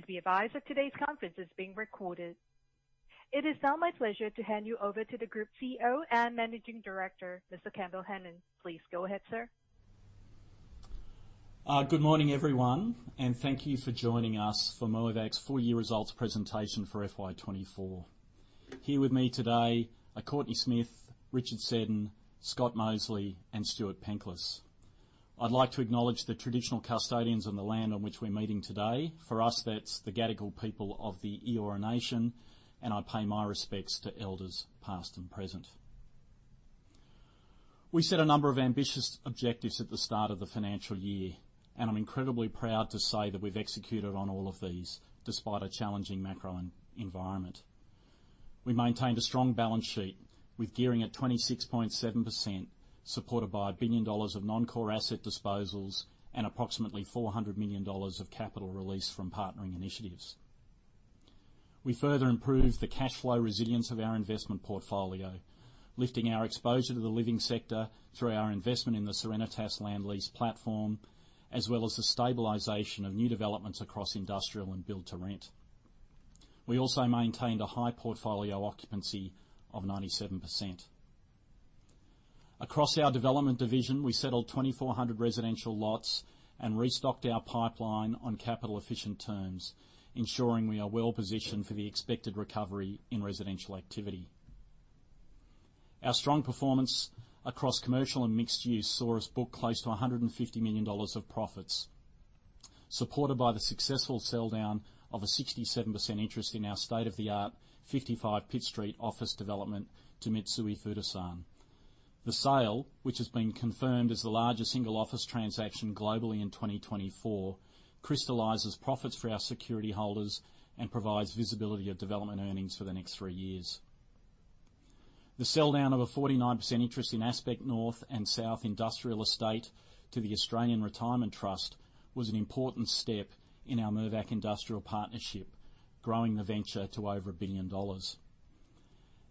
Please be advised that today's conference is being recorded. It is now my pleasure to hand you over to the Group CEO and Managing Director, Mr. Campbell Hanan. Please go ahead, sir. Good morning, everyone, and thank you for joining us for Mirvac's four-year results presentation for FY 2024. Here with me today are Courtenay Smith, Richard Seddon, Scott Mosely, and Stuart Penklis. I'd like to acknowledge the traditional custodians of the land on which we're meeting today. For us, that's the Gadigal people of the Eora Nation, and I pay my respects to elders past and present. We set a number of ambitious objectives at the start of the financial year, and I'm incredibly proud to say that we've executed on all of these despite a challenging macro environment. We maintained a strong balance sheet with gearing at 26.7%, supported by 1 billion dollars of non-core asset disposals and approximately AUD 400 million of capital release from partnering initiatives. We further improved the cash flow resilience of our investment portfolio, lifting our exposure to the living sector through our investment in the Serenitas Land Lease platform, as well as the stabilization of new developments across industrial and build-to-rent. We also maintained a high portfolio occupancy of 97%. Across our development division, we settled 2,400 residential lots and restocked our pipeline on capital-efficient terms, ensuring we are well positioned for the expected recovery in residential activity. Our strong performance across commercial and mixed use saw us book close to 150 million dollars of profits, supported by the successful sell-down of a 67% interest in our state-of-the-art 55 Pitt Street office development to Mitsui Fudosan. The sale, which has been confirmed as the largest single office transaction globally in 2024, crystallizes profits for our security holders and provides visibility of development earnings for the next three years. The sell-down of a 49% interest in Aspect North and Aspect South to the Australian Retirement Trust was an important step in our Mirvac industrial partnership, growing the venture to over 1 billion dollars.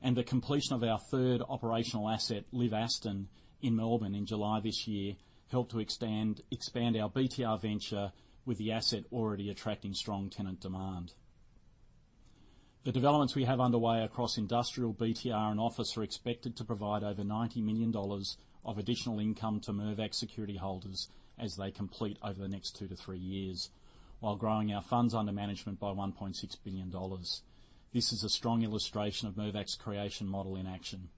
The completion of our third operational asset, LIV Aston, in Melbourne in July this year helped to expand our BTR venture, with the asset already attracting strong tenant demand. The developments we have underway across industrial, BTR, and office are expected to provide over 90 million dollars of additional income to Mirvac security holders as they complete over the next two to three years, while growing our funds under management by 1.6 billion dollars. This is a strong illustration of Mirvac's creation model in action.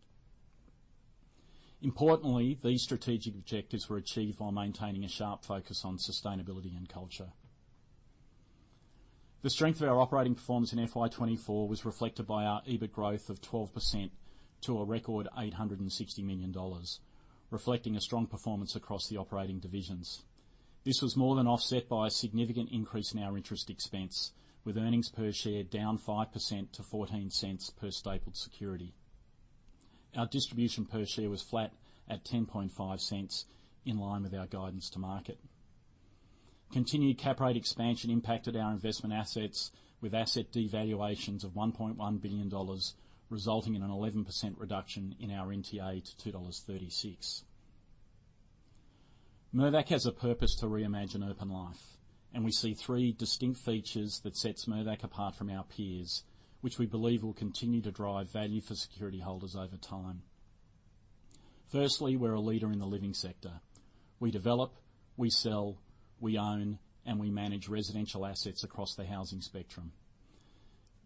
Importantly, these strategic objectives were achieved while maintaining a sharp focus on sustainability and culture. The strength of our operating performance in FY 2024 was reflected by our EBIT growth of 12% to a record 860 million dollars, reflecting a strong performance across the operating divisions. This was more than offset by a significant increase in our interest expense, with earnings per share down 5% to 0.14 per stapled security. Our distribution per share was flat at 0.105, in line with our guidance to market. Continued cap rate expansion impacted our investment assets, with asset devaluations of 1.1 billion dollars, resulting in an 11% reduction in our NTA to 2.36 dollars. Mirvac has a purpose to reimagine urban life, and we see three distinct features that set Mirvac apart from our peers, which we believe will continue to drive value for security holders over time. Firstly, we're a leader in the living sector. We develop, we sell, we own, and we manage residential assets across the housing spectrum.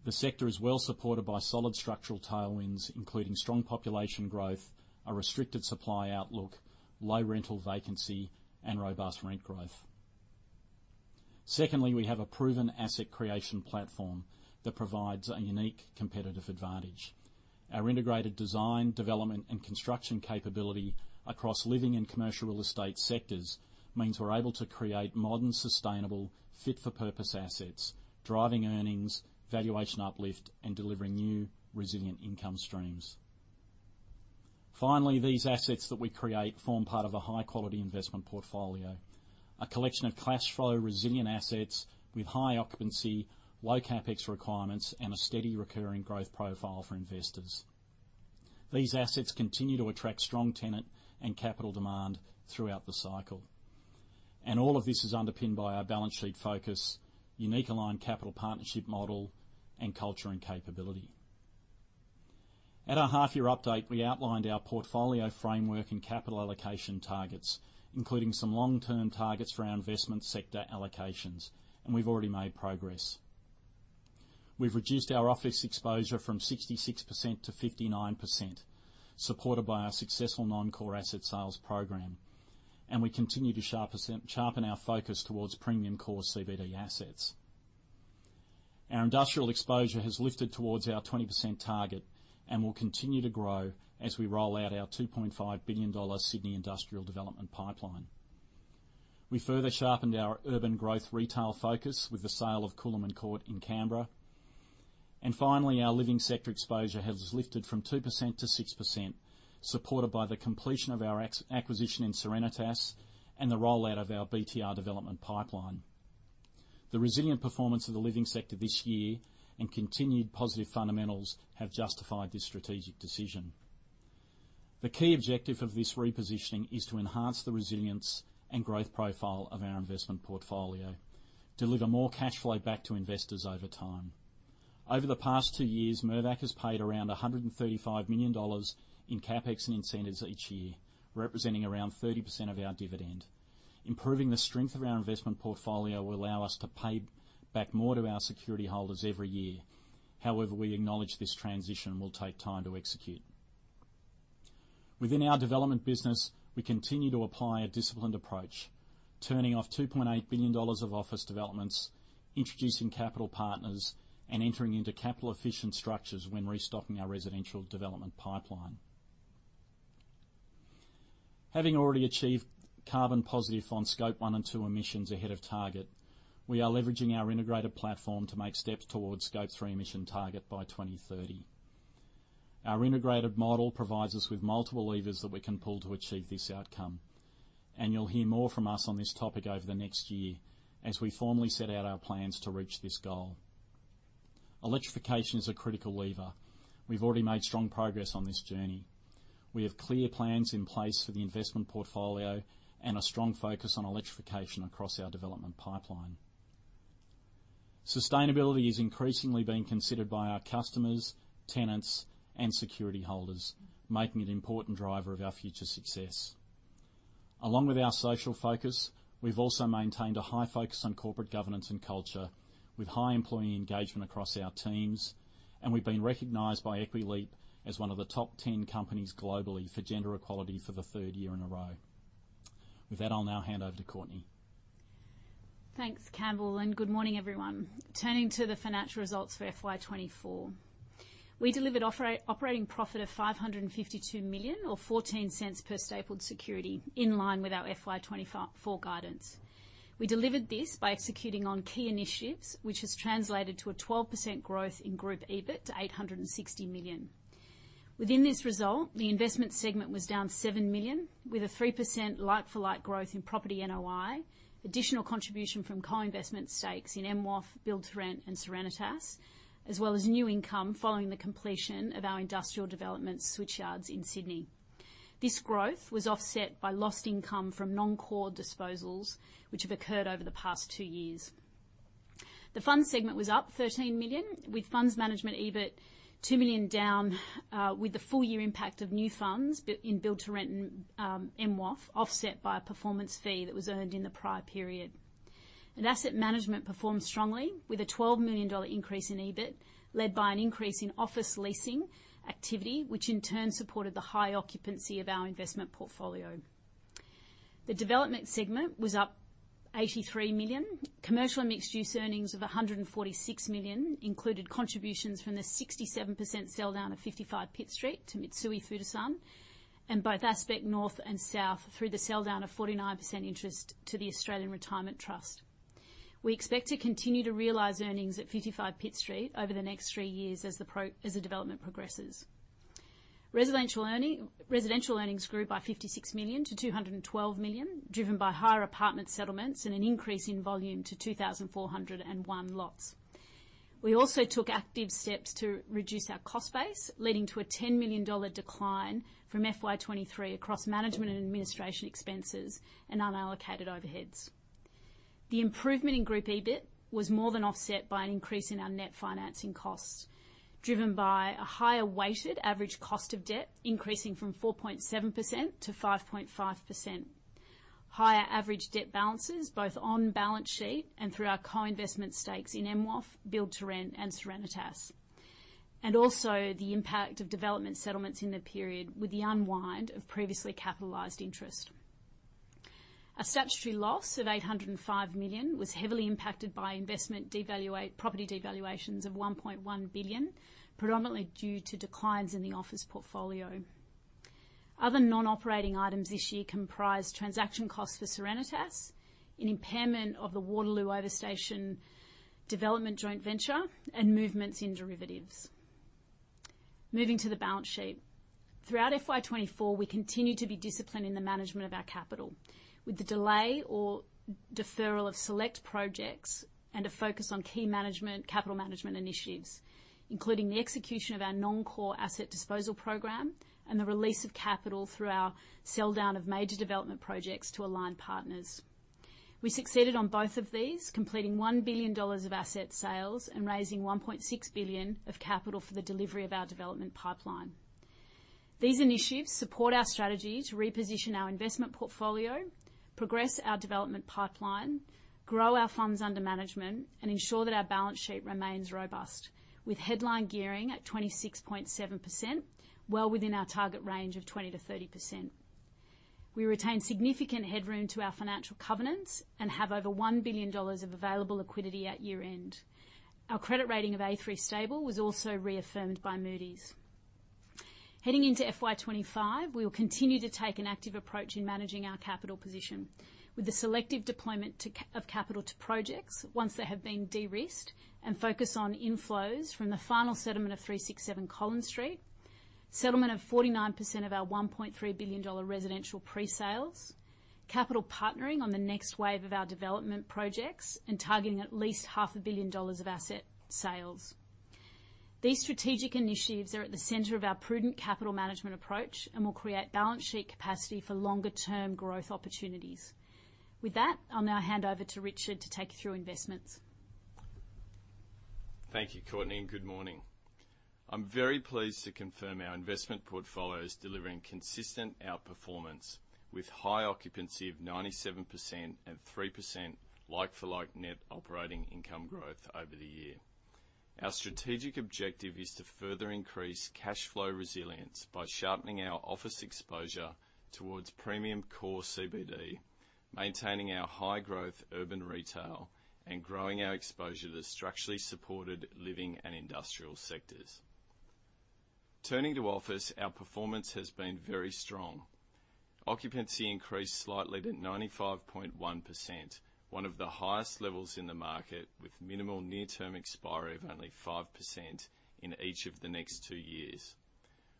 The sector is well supported by solid structural tailwinds, including strong population growth, a restricted supply outlook, low rental vacancy, and robust rent growth. Secondly, we have a proven asset creation platform that provides a unique competitive advantage. Our integrated design, development, and construction capability across living and commercial real estate sectors means we're able to create modern, sustainable, fit-for-purpose assets, driving earnings, valuation uplift, and delivering new resilient income streams. Finally, these assets that we create form part of a high-quality investment portfolio, a collection of cash flow resilient assets with high occupancy, low CapEx requirements, and a steady recurring growth profile for investors. These assets continue to attract strong tenant and capital demand throughout the cycle. All of this is underpinned by our balance sheet focus, unique aligned capital partnership model, and culture and capability. At our half-year update, we outlined our portfolio framework and capital allocation targets, including some long-term targets for our investment sector allocations, and we've already made progress. We've reduced our office exposure from 66% to 59%, supported by our successful non-core asset sales program, and we continue to sharpen our focus towards premium core CBD assets. Our industrial exposure has lifted towards our 20% target and will continue to grow as we roll out our 2.5 billion dollar Sydney industrial development pipeline. We further sharpened our urban growth retail focus with the sale of Cooleman Court in Canberra. Finally, our living sector exposure has lifted from 2% to 6%, supported by the completion of our acquisition in Serenitas and the rollout of our BTR development pipeline. The resilient performance of the living sector this year and continued positive fundamentals have justified this strategic decision. The key objective of this repositioning is to enhance the resilience and growth profile of our investment portfolio, deliver more cash flow back to investors over time. Over the past two years, Mirvac has paid around 135 million dollars in CapEx and incentives each year, representing around 30% of our dividend. Improving the strength of our investment portfolio will allow us to pay back more to our security holders every year. However, we acknowledge this transition will take time to execute. Within our development business, we continue to apply a disciplined approach, turning off 2.8 billion dollars of office developments, introducing capital partners, and entering into capital-efficient structures when restocking our residential development pipeline. Having already achieved carbon positive on scope 1 and 2 emissions ahead of target, we are leveraging our integrated platform to make steps towards scope 3 emission target by 2030. Our integrated model provides us with multiple levers that we can pull to achieve this outcome. You'll hear more from us on this topic over the next year as we formally set out our plans to reach this goal. Electrification is a critical lever. We've already made strong progress on this journey. We have clear plans in place for the investment portfolio and a strong focus on electrification across our development pipeline. Sustainability is increasingly being considered by our customers, tenants, and security holders, making it an important driver of our future success. Along with our social focus, we've also maintained a high focus on corporate governance and culture, with high employee engagement across our teams, and we've been recognized by Equileap as one of the top 10 companies globally for gender equality for the third year in a row. With that, I'll now hand over to Courtenay. Thanks, Campbell, and good morning, everyone. Turning to the financial results for FY 2024, we delivered operating profit of AUD 552 million, or 0.14 per stapled security, in line with our FY 2024 guidance. We delivered this by executing on key initiatives, which has translated to a 12% growth in group EBIT to 860 million. Within this result, the investment segment was down 7 million, with a 3% like-for-like growth in property NOI, additional contribution from co-investment stakes in MWOF, build-to-rent, and Serenitas, as well as new income following the completion of our industrial development Switchyard in Sydney. This growth was offset by lost income from non-core disposals, which have occurred over the past two years. The funds segment was up 13 million, with funds management EBIT 2 million down, with the full-year impact of new funds in build-to-rent and MWOF offset by a performance fee that was earned in the prior period. Asset management performed strongly, with a AUD 12 million increase in EBIT, led by an increase in office leasing activity, which in turn supported the high occupancy of our investment portfolio. The development segment was up 83 million. Commercial and mixed-use earnings of 146 million included contributions from the 67% sell-down of 55 Pitt Street to Mitsui Fudosan, and both Aspect North and South through the sell-down of 49% interest to the Australian Retirement Trust. We expect to continue to realize earnings at 55 Pitt Street over the next three years as the development progresses. Residential earnings grew by 56 million to 212 million, driven by higher apartment settlements and an increase in volume to 2,401 lots. We also took active steps to reduce our cost base, leading to a AUD 10 million decline from FY 2023 across management and administration expenses and unallocated overheads. The improvement in group EBIT was more than offset by an increase in our net financing costs, driven by a higher weighted average cost of debt increasing from 4.7%-5.5%. Higher average debt balances, both on balance sheet and through our co-investment stakes in MWOF, build-to-rent, and Serenitas. Also the impact of development settlements in the period with the unwind of previously capitalized interest. A statutory loss of 805 million was heavily impacted by investment property devaluations of 1.1 billion, predominantly due to declines in the office portfolio. Other non-operating items this year comprised transaction costs for Serenitas, an impairment of the Waterloo Over Station Development joint venture, and movements in derivatives. Moving to the balance sheet. Throughout FY 2024, we continued to be disciplined in the management of our capital, with the delay or deferral of select projects and a focus on key capital management initiatives, including the execution of our non-core asset disposal program and the release of capital through our sell-down of major development projects to align partners. We succeeded on both of these, completing 1 billion dollars of asset sales and raising 1.6 billion of capital for the delivery of our development pipeline. These initiatives support our strategy to reposition our investment portfolio, progress our development pipeline, grow our funds under management, and ensure that our balance sheet remains robust, with headline gearing at 26.7%, well within our target range of 20%-30%. We retain significant headroom to our financial covenants and have over 1 billion dollars of available liquidity at year-end. Our credit rating of A3 stable was also reaffirmed by Moody’s. Heading into FY 2025, we will continue to take an active approach in managing our capital position, with the selective deployment of capital to projects once they have been de-risked and focus on inflows from the final settlement of 367 Collins Street, settlement of 49% of our 1.3 billion dollar residential pre-sales, capital partnering on the next wave of our development projects, and targeting at least 500 million dollars of asset sales. These strategic initiatives are at the center of our prudent capital management approach and will create balance sheet capacity for longer-term growth opportunities. With that, I'll now hand over to Richard to take through investments. Thank you, Courtenay, and good morning. I'm very pleased to confirm our investment portfolio is delivering consistent outperformance, with high occupancy of 97% and 3% like-for-like net operating income growth over the year. Our strategic objective is to further increase cash flow resilience by sharpening our office exposure towards premium core CBD, maintaining our high-growth urban retail, and growing our exposure to structurally supported living and industrial sectors. Turning to office, our performance has been very strong. Occupancy increased slightly to 95.1%, one of the highest levels in the market, with minimal near-term expiry of only 5% in each of the next two years.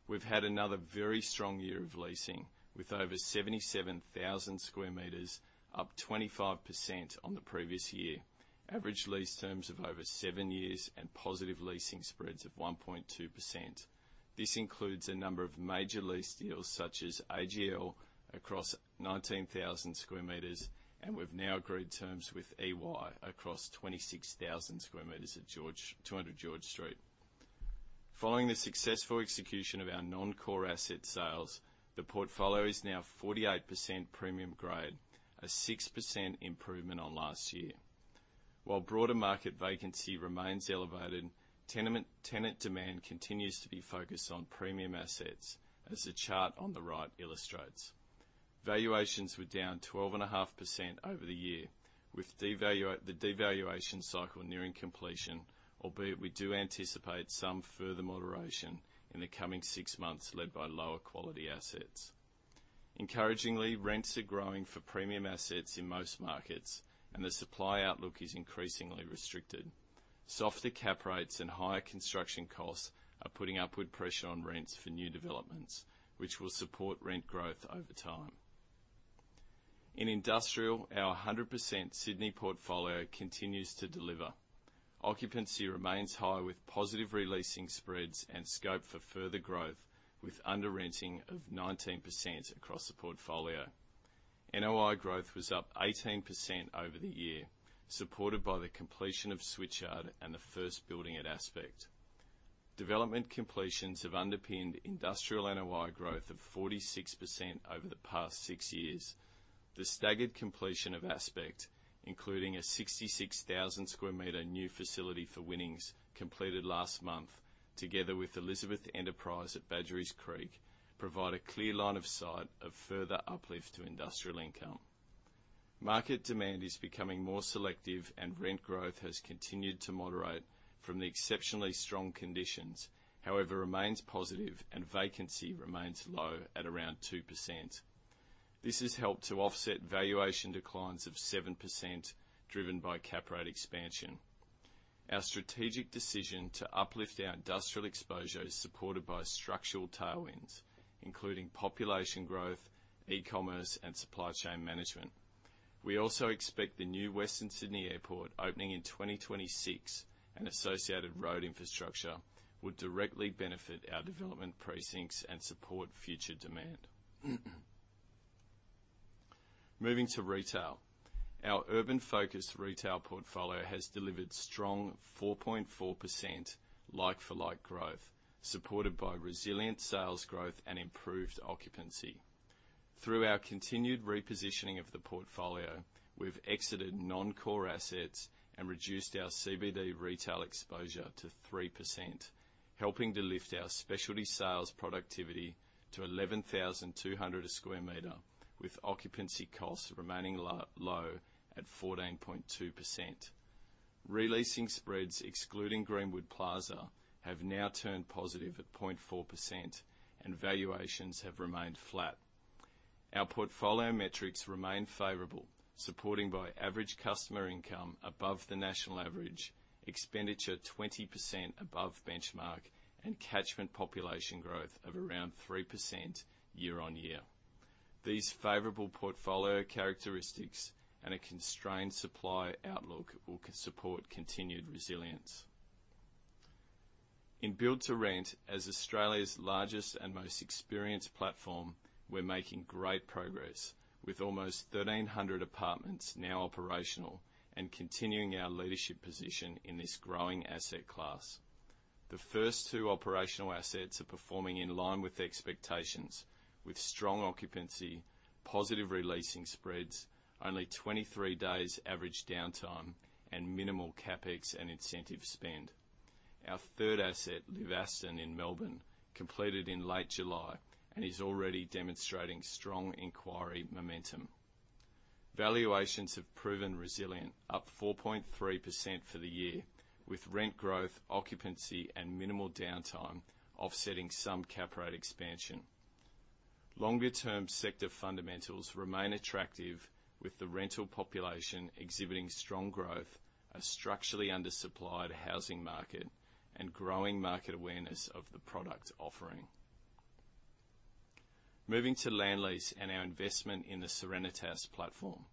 We've had another very strong year of leasing, with over 77,000 square meters, up 25% on the previous year, average lease terms of over seven years, and positive leasing spreads of 1.2%. This includes a number of major lease deals such as AGL across 19,000 square meters, and we've now agreed terms with EY across 26,000 square meters at 200 George Street. Following the successful execution of our non-core asset sales, the portfolio is now 48% premium grade, a 6% improvement on last year. While broader market vacancy remains elevated, tenant demand continues to be focused on premium assets, as the chart on the right illustrates. Valuations were down 12.5% over the year, with the devaluation cycle nearing completion, albeit we do anticipate some further moderation in the coming 6 months, led by lower quality assets. Encouragingly, rents are growing for premium assets in most markets, and the supply outlook is increasingly restricted. Softer cap rates and higher construction costs are putting upward pressure on rents for new developments, which will support rent growth over time. In industrial, our 100% Sydney portfolio continues to deliver. Occupancy remains high, with positive re-leasing spreads and scope for further growth, with under-renting of 19% across the portfolio. NOI growth was up 18% over the year, supported by the completion of Switchyard and the first building at Aspect. Development completions have underpinned industrial NOI growth of 46% over the past six years. The staggered completion of Aspect, including a 66,000 square meters new facility for Winnings completed last month, together with Elizabeth Enterprise at Badgerys Creek, provide a clear line of sight of further uplift to industrial income. Market demand is becoming more selective, and rent growth has continued to moderate from the exceptionally strong conditions, however remains positive and vacancy remains low at around 2%. This has helped to offset valuation declines of 7%, driven by cap rate expansion. Our strategic decision to uplift our industrial exposure is supported by structural tailwinds, including population growth, e-commerce, and supply chain management. We also expect the new Western Sydney Airport opening in 2026 and associated road infrastructure would directly benefit our development precincts and support future demand. Moving to retail, our urban-focused retail portfolio has delivered strong 4.4% like-for-like growth, supported by resilient sales growth and improved occupancy. Through our continued repositioning of the portfolio, we've exited non-core assets and reduced our CBD retail exposure to 3%, helping to lift our specialty sales productivity to 11,200 per square meter, with occupancy costs remaining low at 14.2%. Re-leasing spreads excluding Greenwood Plaza have now turned positive at 0.4%, and valuations have remained flat. Our portfolio metrics remain favorable, supporting by average customer income above the national average, expenditure 20% above benchmark, and catchment population growth of around 3% year-over-year. These favorable portfolio characteristics and a constrained supply outlook will support continued resilience. In build-to-rent, as Australia's largest and most experienced platform, we're making great progress, with almost 1,300 apartments now operational and continuing our leadership position in this growing asset class. The first two operational assets are performing in line with expectations, with strong occupancy, positive re-leasing spreads, only 23 days average downtime, and minimal CapEx and incentive spend. Our third asset, Liv Aston in Melbourne, completed in late July and is already demonstrating strong inquiry momentum. Valuations have proven resilient, up 4.3% for the year, with rent growth, occupancy, and minimal downtime offsetting some cap rate expansion. Longer-term sector fundamentals remain attractive, with the rental population exhibiting strong growth, a structurally undersupplied housing market, and growing market awareness of the product offering. Moving to land lease and our investment in the Serenitas platform.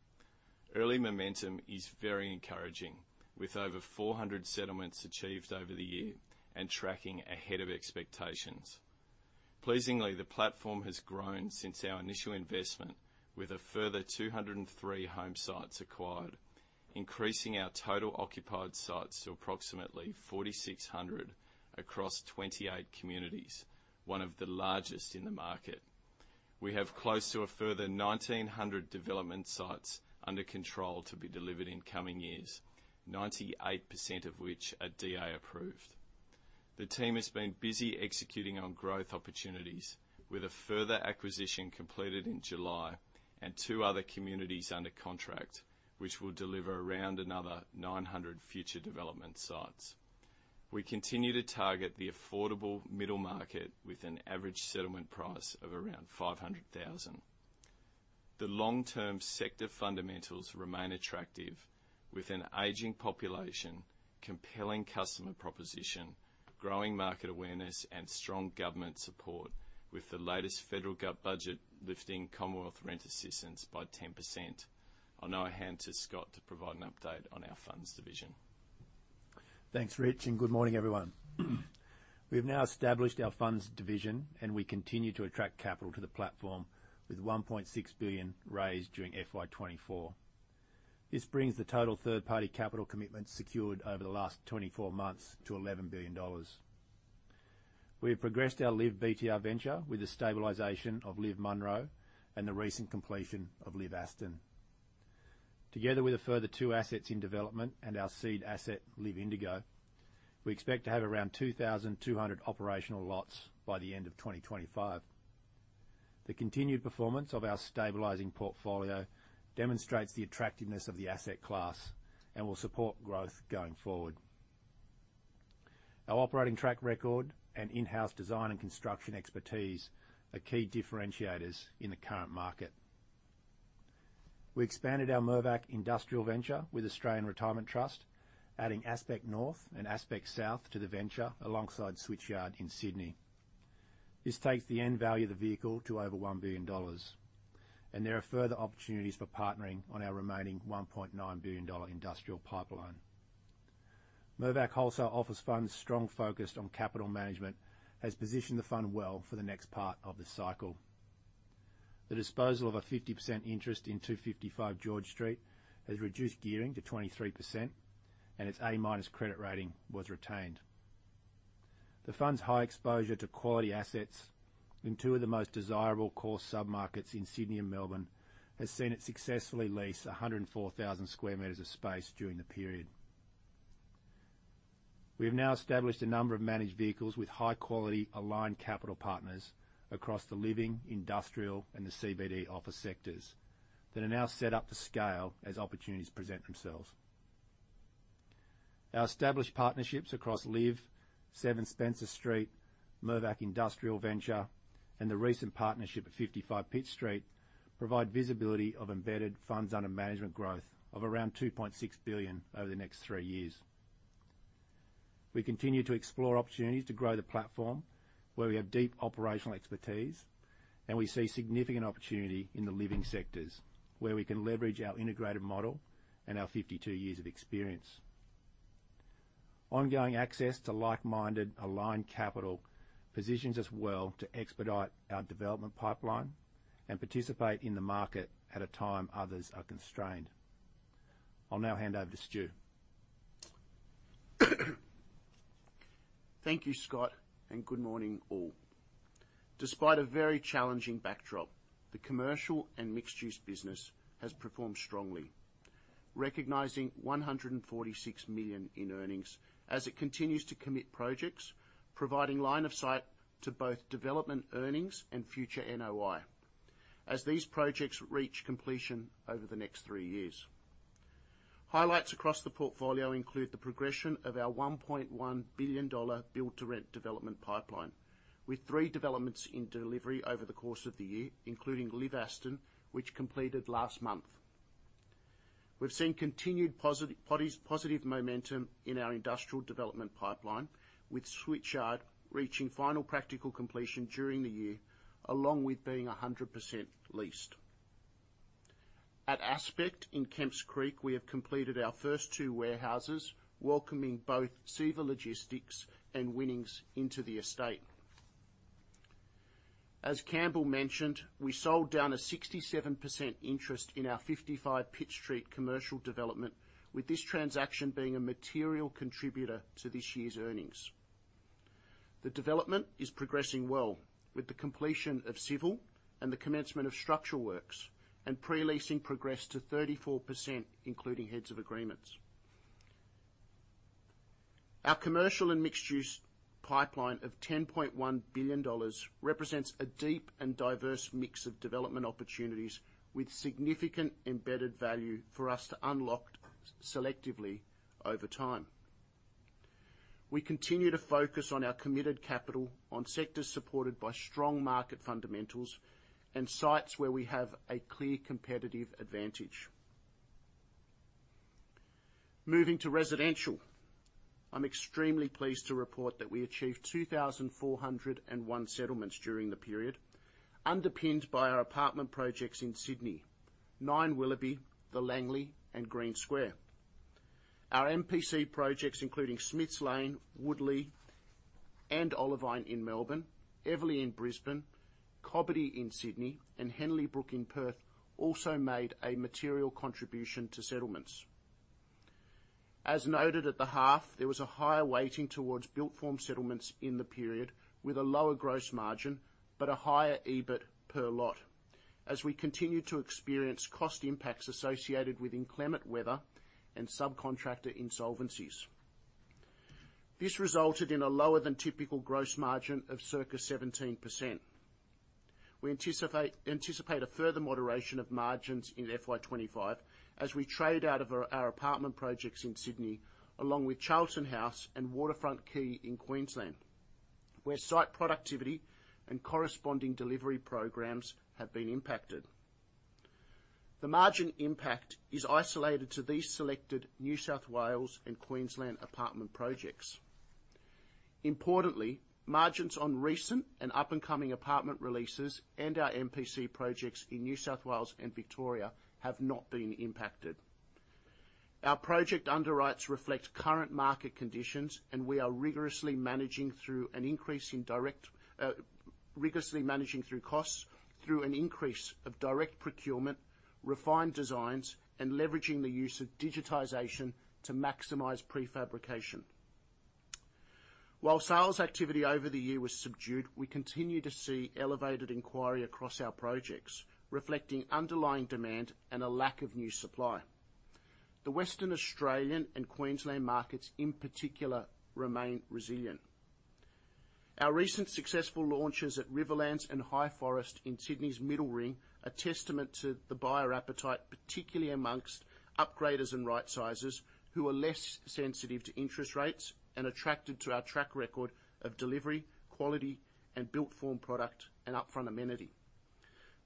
Early momentum is very encouraging, with over 400 settlements achieved over the year and tracking ahead of expectations. Pleasingly, the platform has grown since our initial investment, with a further 203 home sites acquired, increasing our total occupied sites to approximately 4,600 across 28 communities, one of the largest in the market. We have close to a further 1,900 development sites under control to be delivered in coming years, 98% of which are DA approved. The team has been busy executing on growth opportunities, with a further acquisition completed in July and two other communities under contract, which will deliver around another 900 future development sites. We continue to target the affordable middle market with an average settlement price of around 500,000. The long-term sector fundamentals remain attractive, with an aging population, compelling customer proposition, growing market awareness, and strong government support, with the latest federal budget lifting Commonwealth Rent Assistance by 10%. I'll now hand to Scott to provide an update on our funds division. Thanks, Rich, and good morning, everyone. We've now established our funds division, and we continue to attract capital to the platform with 1.6 billion raised during FY 2024. This brings the total third-party capital commitments secured over the last 24 months to 11 billion dollars. We have progressed our LIV BTR venture with the stabilization of LIV Munro and the recent completion of LIV Aston. Together with the further two assets in development and our seed asset, LIV Indigo, we expect to have around 2,200 operational lots by the end of 2025. The continued performance of our stabilizing portfolio demonstrates the attractiveness of the asset class and will support growth going forward. Our operating track record and in-house design and construction expertise are key differentiators in the current market. We expanded our Mirvac Industrial Venture with Australian Retirement Trust, adding Aspect North and Aspect South to the venture alongside Switchyard in Sydney. This takes the end value of the vehicle to over 1 billion dollars, and there are further opportunities for partnering on our remaining 1.9 billion dollar industrial pipeline. Mirvac Wholesale Office Fund's strong focus on capital management has positioned the fund well for the next part of the cycle. The disposal of a 50% interest in 255 George Street has reduced gearing to 23%, and its A-minus credit rating was retained. The fund's high exposure to quality assets in two of the most desirable core submarkets in Sydney and Melbourne has seen it successfully lease 104,000 square meters of space during the period. We have now established a number of managed vehicles with high-quality aligned capital partners across the living, industrial, and the CBD office sectors that are now set up to scale as opportunities present themselves. Our established partnerships across LIV, 7 Spencer Street, Mirvac Industrial Venture, and the recent partnership at 55 Pitt Street provide visibility of embedded funds under management growth of around 2.6 billion over the next 3 years. We continue to explore opportunities to grow the platform where we have deep operational expertise, and we see significant opportunity in the living sectors where we can leverage our integrated model and our 52 years of experience. Ongoing access to like-minded aligned capital positions us well to expedite our development pipeline and participate in the market at a time others are constrained. I'll now hand over to Stu. Thank you, Scott, and good morning, all. Despite a very challenging backdrop, the commercial and mixed-use business has performed strongly, recognizing 146 million in earnings as it continues to commit projects, providing line of sight to both development earnings and future NOI as these projects reach completion over the next three years. Highlights across the portfolio include the progression of our 1.1 billion dollar build-to-rent development pipeline, with three developments in delivery over the course of the year, including LIV Aston, which completed last month. We've seen continued positive momentum in our industrial development pipeline, with Switchyard reaching final practical completion during the year, along with being 100% leased. At Aspect in Kemps Creek, we have completed our first two warehouses, welcoming both CEVA Logistics and Winning Group into the estate. As Campbell mentioned, we sold down a 67% interest in our 55 Pitt Street commercial development, with this transaction being a material contributor to this year's earnings. The development is progressing well, with the completion of civil and the commencement of structural works, and pre-leasing progressed to 34%, including heads of agreements. Our commercial and mixed-use pipeline of 10.1 billion dollars represents a deep and diverse mix of development opportunities, with significant embedded value for us to unlock selectively over time. We continue to focus on our committed capital on sectors supported by strong market fundamentals and sites where we have a clear competitive advantage. Moving to residential, I'm extremely pleased to report that we achieved 2,401 settlements during the period, underpinned by our apartment projects in Sydney, 9 Willoughby, The Langlee, and Green Square. Our MPC projects, including Smiths Lane, Woodlea, and Olivine in Melbourne, Everleigh in Brisbane, Cobbitty in Sydney, and Henley Brook in Perth, also made a material contribution to settlements. As noted at the half, there was a higher weighting towards built-form settlements in the period, with a lower gross margin but a higher EBIT per lot, as we continued to experience cost impacts associated with inclement weather and subcontractor insolvencies. This resulted in a lower than typical gross margin of circa 17%. We anticipate a further moderation of margins in FY 2025 as we trade out of our apartment projects in Sydney, along with Charlton House and Waterfront Quay in Queensland, where site productivity and corresponding delivery programs have been impacted. The margin impact is isolated to these selected New South Wales and Queensland apartment projects. Importantly, margins on recent and up-and-coming apartment releases and our MPC projects in New South Wales and Victoria have not been impacted. Our project underwrites reflect current market conditions, and we are rigorously managing through an increase in costs through an increase of direct procurement, refined designs, and leveraging the use of digitization to maximize prefabrication. While sales activity over the year was subdued, we continue to see elevated inquiry across our projects, reflecting underlying demand and a lack of new supply. The Western Australian and Queensland markets, in particular, remain resilient. Our recent successful launches at Riverlands and Highforest in Sydney's Middle Ring are testament to the buyer appetite, particularly amongst upgraders and rightsizers who are less sensitive to interest rates and attracted to our track record of delivery, quality, and built-form product and upfront amenity.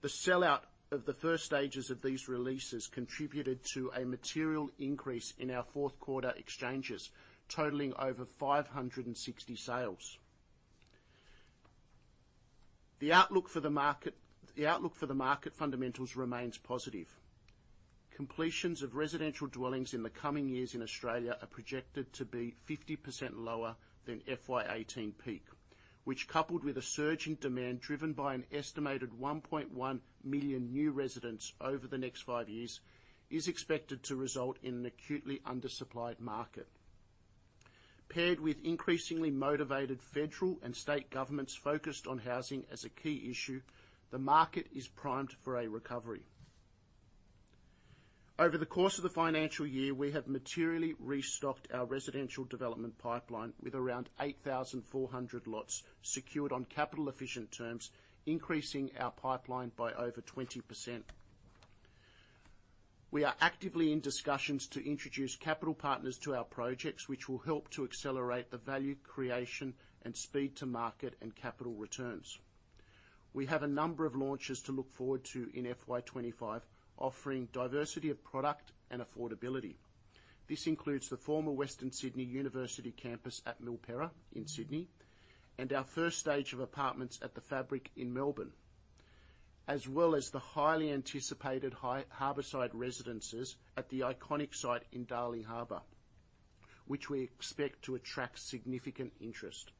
The sellout of the first stages of these releases contributed to a material increase in our fourth quarter exchanges, totaling over 560 sales. The outlook for the market fundamentals remains positive. Completions of residential dwellings in the coming years in Australia are projected to be 50% lower than FY 2018 peak, which, coupled with a surging demand driven by an estimated 1.1 million new residents over the next five years, is expected to result in an acutely undersupplied market. Paired with increasingly motivated federal and state governments focused on housing as a key issue, the market is primed for a recovery. Over the course of the financial year, we have materially restocked our residential development pipeline with around 8,400 lots secured on capital-efficient terms, increasing our pipeline by over 20%. We are actively in discussions to introduce capital partners to our projects, which will help to accelerate the value creation and speed to market and capital returns. We have a number of launches to look forward to in FY 2025, offering diversity of product and affordability. This includes the former Western Sydney University campus at Milperra in Sydney and our first stage of apartments at The Fabric in Melbourne, as well as the highly anticipated Harbourside Residences at the iconic site in Darling Harbour, which we expect to attract significant interest.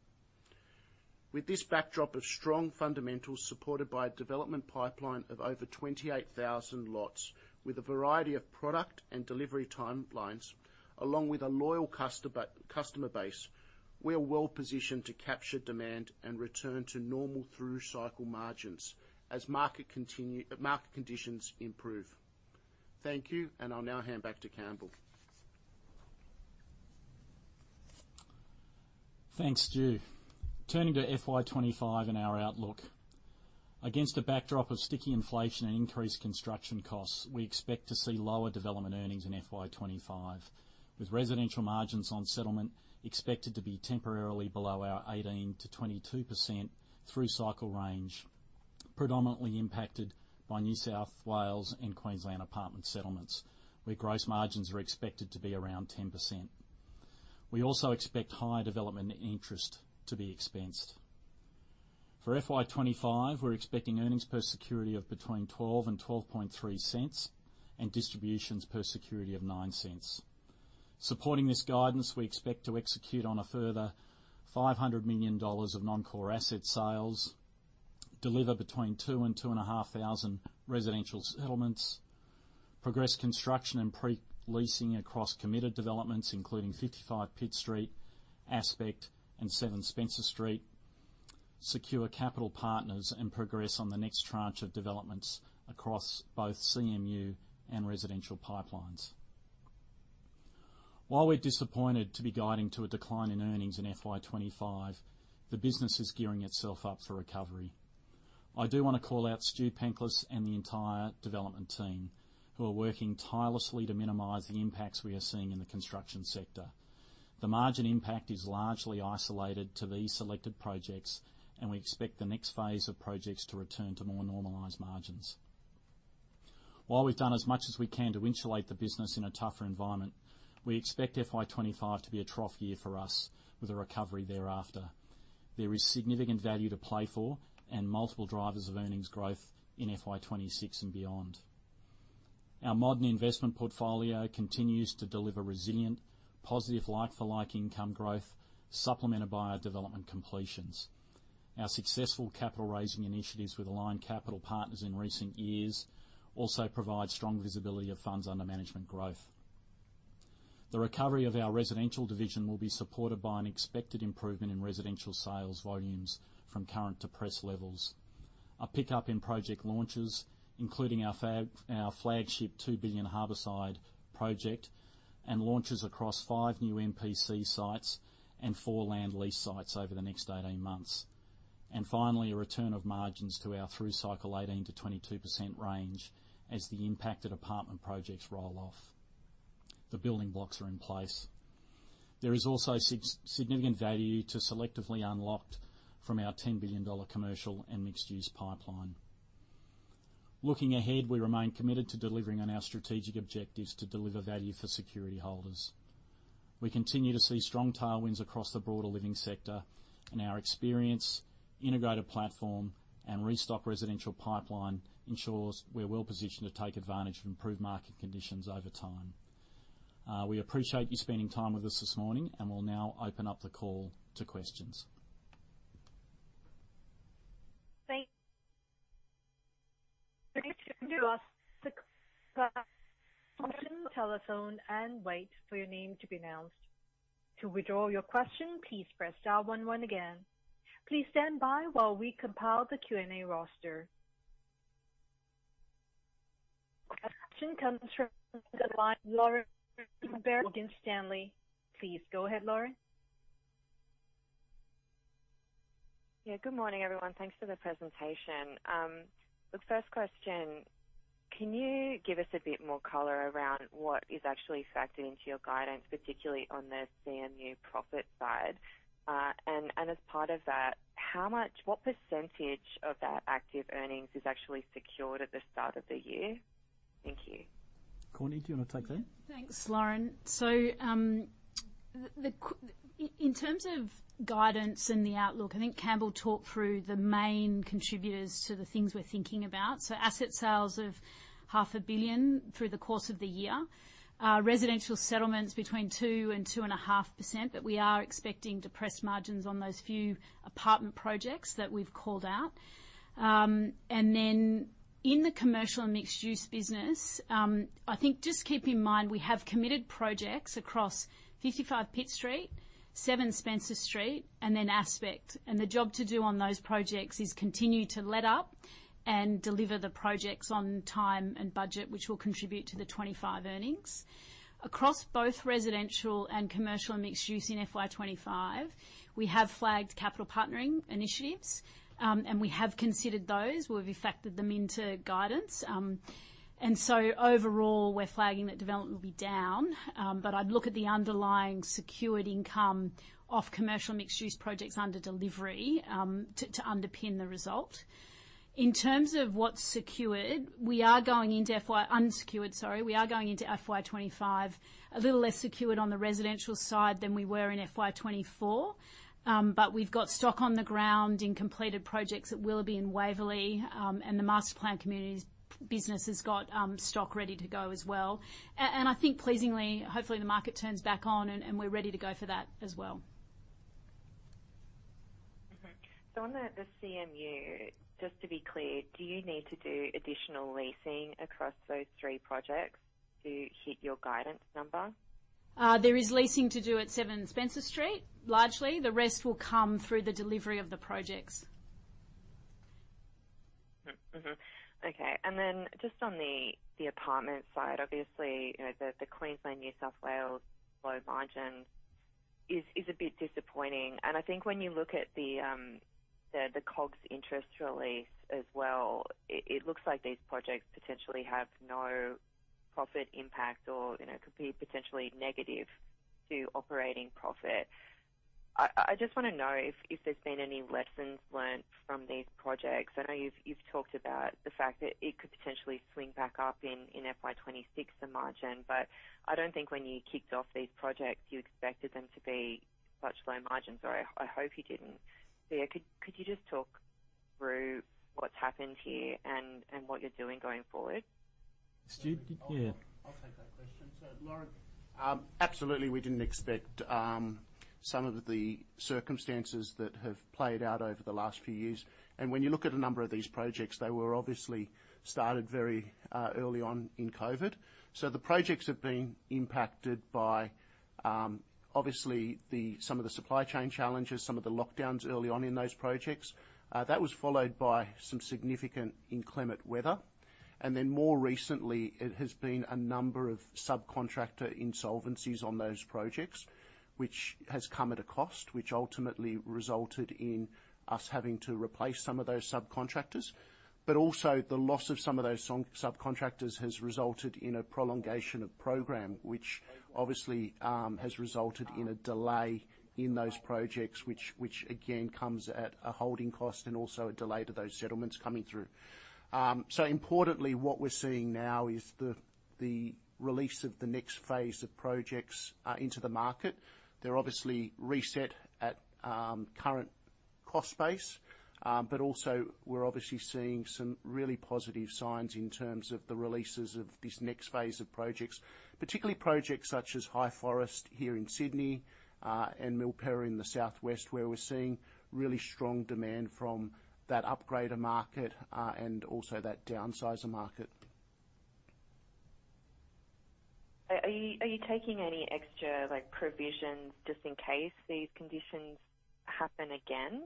With this backdrop of strong fundamentals supported by a development pipeline of over 28,000 lots with a variety of product and delivery timelines, along with a loyal customer base, we are well positioned to capture demand and return to normal through cycle margins as market conditions improve. Thank you, and I'll now hand back to Campbell. Thanks, Stu. Turning to FY 2025 and our outlook. Against a backdrop of sticky inflation and increased construction costs, we expect to see lower development earnings in FY 2025, with residential margins on settlement expected to be temporarily below our 18%-22% through cycle range, predominantly impacted by New South Wales and Queensland apartment settlements, where gross margins are expected to be around 10%. We also expect higher development interest to be expensed. For FY 2025, we're expecting earnings per security of between 12 and 12.30 and distributions per security of 0.09. Supporting this guidance, we expect to execute on a further 500 million dollars of non-core asset sales, deliver between 2,000 and 2,500 residential settlements, progress construction and pre-leasing across committed developments, including 55 Pitt Street, Aspect, and 7 Spencer Street, secure capital partners, and progress on the next tranche of developments across both CMU and residential pipelines. While we're disappointed to be guiding to a decline in earnings in FY 2025, the business is gearing itself up for recovery. I do want to call out Stu Penklis and the entire development team who are working tirelessly to minimize the impacts we are seeing in the construction sector. The margin impact is largely isolated to these selected projects, and we expect the next phase of projects to return to more normalized margins. While we've done as much as we can to insulate the business in a tougher environment, we expect FY 2025 to be a trough year for us with a recovery thereafter. There is significant value to play for and multiple drivers of earnings growth in FY 2026 and beyond. Our modern investment portfolio continues to deliver resilient, positive like-for-like income growth, supplemented by our development completions. Our successful capital raising initiatives with aligned capital partners in recent years also provide strong visibility of funds under management growth. The recovery of our residential division will be supported by an expected improvement in residential sales volumes from current to pre-sales levels, a pickup in project launches, including our flagship 2 billion Harbourside project, and launches across five new MPC sites and four land lease sites over the next 18 months. And finally, a return of margins to our through cycle 18%-22% range as the impacted apartment projects roll off. The building blocks are in place. There is also significant value to selectively unlocked from our 10 billion dollar commercial and mixed-use pipeline. Looking ahead, we remain committed to delivering on our strategic objectives to deliver value for security holders. We continue to see strong tailwinds across the broader living sector, and our experience, integrated platform, and robust residential pipeline ensures we're well positioned to take advantage of improved market conditions over time. We appreciate you spending time with us this morning, and we'll now open up the call to questions. Thanks. Please continue to ask questions on the telephone and wait for your name to be announced. To withdraw your question, please press star one one again. Please stand by while we compile the Q&A roster. Question comes from Lauren Berry Morgan Stanley. Please go ahead, Lauren. Yeah, good morning, everyone. Thanks for the presentation. The first question, can you give us a bit more color around what is actually factored into your guidance, particularly on the CMU profit side? And as part of that, how much, what percentage of that active earnings is actually secured at the start of the year? Thank you. Courtenay, do you want to take that? Thanks, Lauren. So in terms of guidance and the outlook, I think Campbell talked through the main contributors to the things we're thinking about. So asset sales of 500 million through the course of the year, residential settlements between 2%-2.5%, but we are expecting depressed margins on those few apartment projects that we've called out. And then in the commercial and mixed-use business, I think just keep in mind we have committed projects across 55 Pitt Street, 7 Spencer Street, and then Aspect. And the job to do on those projects is continue to let-up and deliver the projects on time and budget, which will contribute to the FY 2025 earnings. Across both residential and commercial and mixed-use in FY 2025, we have flagged capital partnering initiatives, and we have considered those. We've factored them into guidance. So overall, we're flagging that development will be down, but I'd look at the underlying secured income off commercial mixed-use projects under delivery to underpin the result. In terms of what's secured, we are going into FY unsecured, sorry, we are going into FY 2025 a little less secured on the residential side than we were in FY 2024, but we've got stock on the ground in completed projects at Willoughby and Waverley, and the masterplanned community business has got stock ready to go as well. I think pleasingly, hopefully the market turns back on and we're ready to go for that as well. So on that, the CMU, just to be clear, do you need to do additional leasing across those three projects to hit your guidance number? There is leasing to do at 7 Spencer Street, largely. The rest will come through the delivery of the projects. Okay. Then just on the apartment side, obviously, the Queensland, New South Wales low margin is a bit disappointing. I think when you look at the Cobbitty interest release as well, it looks like these projects potentially have no profit impact or could be potentially negative to operating profit. I just want to know if there's been any lessons learned from these projects. I know you've talked about the fact that it could potentially swing back up in FY 2026 the margin, but I don't think when you kicked off these projects, you expected them to be such low margins, or I hope you didn't. So could you just talk through what's happened here and what you're doing going forward? Stu, yeah. I'll take that question. So, Lauren. Absolutely, we didn't expect some of the circumstances that have played out over the last few years. When you look at a number of these projects, they were obviously started very early on in COVID. So the projects have been impacted by obviously some of the supply chain challenges, some of the lockdowns early on in those projects. That was followed by some significant inclement weather. And then more recently, it has been a number of subcontractor insolvencies on those projects, which has come at a cost, which ultimately resulted in us having to replace some of those subcontractors. But also the loss of some of those subcontractors has resulted in a prolongation of program, which obviously has resulted in a delay in those projects, which again comes at a holding cost and also a delay to those settlements coming through. So importantly, what we're seeing now is the release of the next phase of projects into the market. They're obviously reset at current cost base, but also we're obviously seeing some really positive signs in terms of the releases of this next phase of projects, particularly projects such as Highforest here in Sydney and Milperra in the southwest, where we're seeing really strong demand from that upgrader market and also that downsizer market. Are you taking any extra provisions just in case these conditions happen again?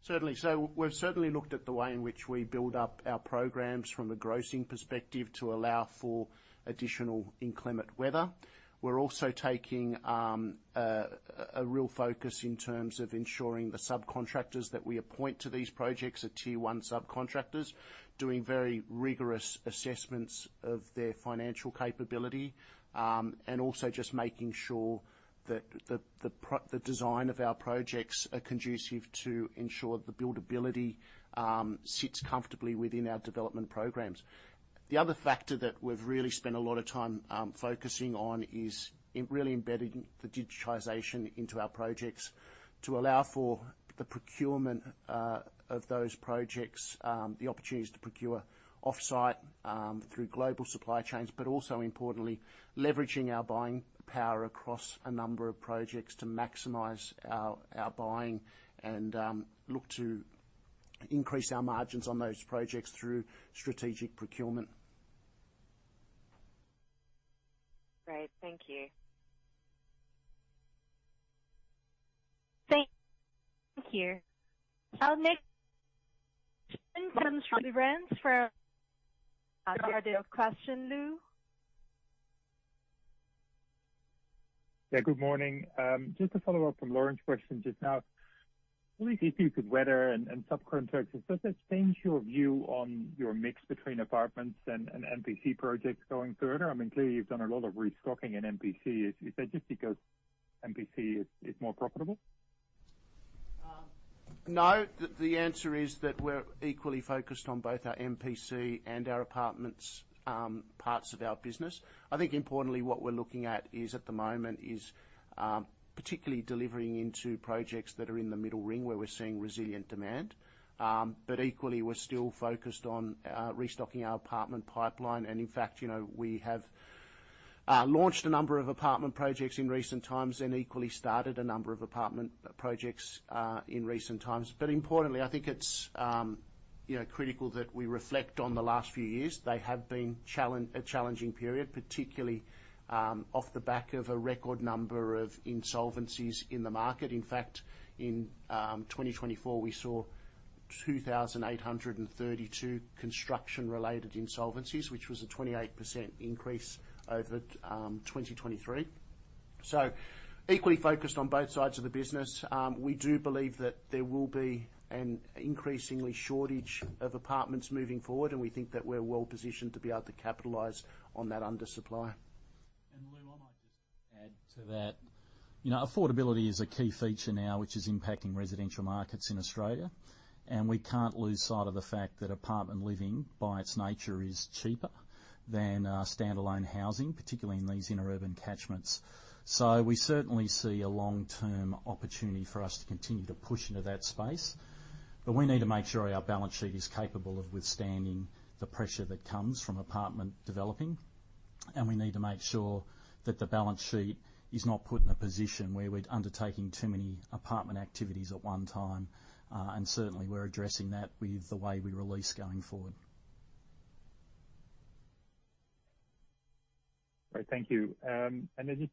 Certainly. So we've certainly looked at the way in which we build up our programs from the grossing perspective to allow for additional inclement weather. We're also taking a real focus in terms of ensuring the subcontractors that we appoint to these projects are tier one subcontractors, doing very rigorous assessments of their financial capability, and also just making sure that the design of our projects are conducive to ensure the buildability sits comfortably within our development programs. The other factor that we've really spent a lot of time focusing on is really embedding the digitization into our projects to allow for the procurement of those projects, the opportunities to procure offsite through global supply chains, but also importantly, leveraging our buying power across a number of projects to maximize our buying and look to increase our margins on those projects through strategic procurement. Great. Thank you. Thank you. And from Jarden for the question, Lou. Yeah, good morning. Just to follow up from Lorraine's question just now, all these issues with weather and subcontractors, does that change your view on your mix between apartments and MPC projects going further? I mean, clearly you've done a lot of restocking in MPC. Is that just because MPC is more profitable? No, the answer is that we're equally focused on both our MPC and our apartments parts of our business. I think importantly, what we're looking at at the moment is particularly delivering into projects that are in the middle ring where we're seeing resilient demand. But equally, we're still focused on restocking our apartment pipeline. And in fact, we have launched a number of apartment projects in recent times and equally started a number of apartment projects in recent times. But importantly, I think it's critical that we reflect on the last few years. They have been a challenging period, particularly off the back of a record number of insolvencies in the market. In fact, in 2024, we saw 2,832 construction-related insolvencies, which was a 28% increase over 2023. Equally focused on both sides of the business, we do believe that there will be an increasing shortage of apartments moving forward, and we think that we're well positioned to be able to capitalize on that undersupply. And Lou, I might just add to that. Affordability is a key feature now, which is impacting residential markets in Australia. And we can't lose sight of the fact that apartment living, by its nature, is cheaper than standalone housing, particularly in these inner urban catchments. So we certainly see a long-term opportunity for us to continue to push into that space. But we need to make sure our balance sheet is capable of withstanding the pressure that comes from apartment developing. And we need to make sure that the balance sheet is not put in a position where we're undertaking too many apartment activities at one time. And certainly, we're addressing that with the way we release going forward. All right, thank you. And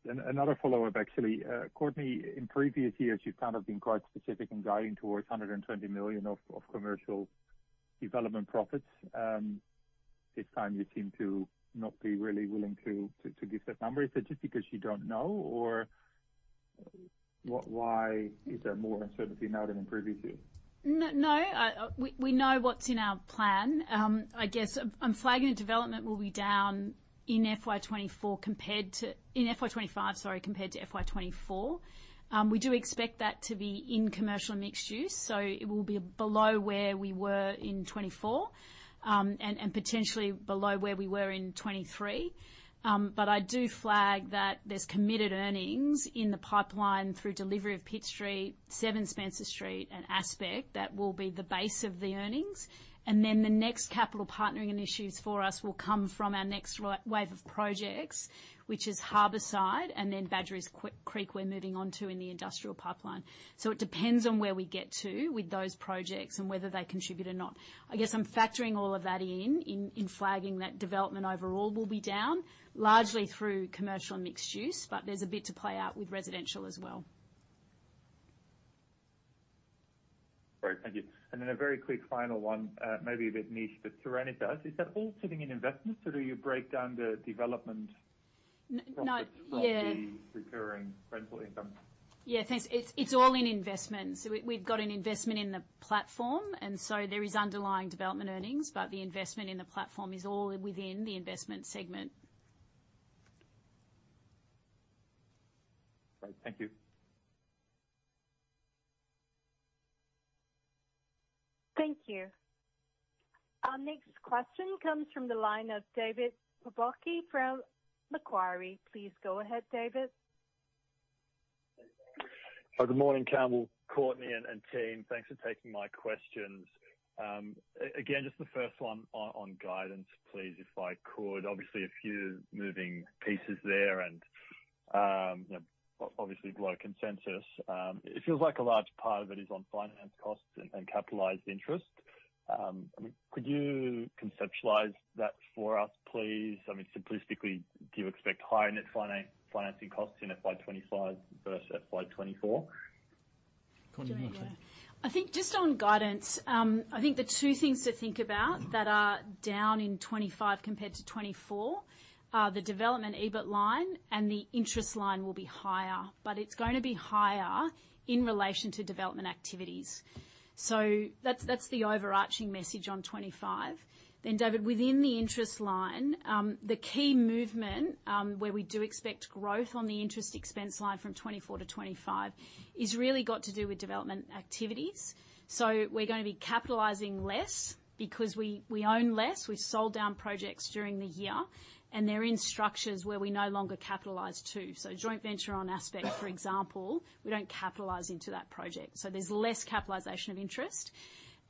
another follow-up, actually. Courtenay, in previous years, you've kind of been quite specific in guiding towards 120 million of commercial development profits. This time, you seem to not be really willing to give that number. Is that just because you don't know, or why is there more uncertainty now than in previous years? No, we know what's in our plan. I guess I'm flagging that development will be down in FY 2024 compared to in FY 2025, sorry, compared to FY 2024. We do expect that to be in commercial mixed use, so it will be below where we were in 2024 and potentially below where we were in 2023. But I do flag that there's committed earnings in the pipeline through delivery of Pitt Street, 7 Spencer Street, and Aspect that will be the base of the earnings. And then the next capital partnering initiatives for us will come from our next wave of projects, which is Harbourside and then Badgerys Creek we're moving on to in the industrial pipeline. So it depends on where we get to with those projects and whether they contribute or not. I guess I'm factoring all of that in, flagging that development overall will be down, largely through commercial mixed use, but there's a bit to play out with residential as well. Great, thank you. And then a very quick final one, maybe a bit niche, that Serenitas does. Is that all sitting in investments, or do you break down the development? No, yeah. Property, procuring, rental income? Yeah, thanks. It's all in investment. So we've got an investment in the platform, and so there is underlying development earnings, but the investment in the platform is all within the investment segment. Great, thank you. Thank you. Our next question comes from the line of David Olwagen from Macquarie. Please go ahead, David. Good morning, Campbell, Courtenay, and team. Thanks for taking my questions. Again, just the first one on guidance, please, if I could. Obviously, a few moving pieces there and obviously low consensus. It feels like a large part of it is on finance costs and capitalized interest. Could you conceptualize that for us, please? I mean, simplistically, do you expect higher net financing costs in FY 2025 versus FY 2024? I think just on guidance, I think the two things to think about that are down in 2025 compared to 2024, the development EBIT line and the interest line will be higher, but it's going to be higher in relation to development activities. So that's the overarching message on 2025. Then, David, within the interest line, the key movement where we do expect growth on the interest expense line from 2024 to 2025 is really got to do with development activities. So we're going to be capitalizing less because we own less. We've sold down projects during the year, and they're in structures where we no longer capitalize to. So joint venture on Aspect, for example, we don't capitalize into that project. So there's less capitalization of interest.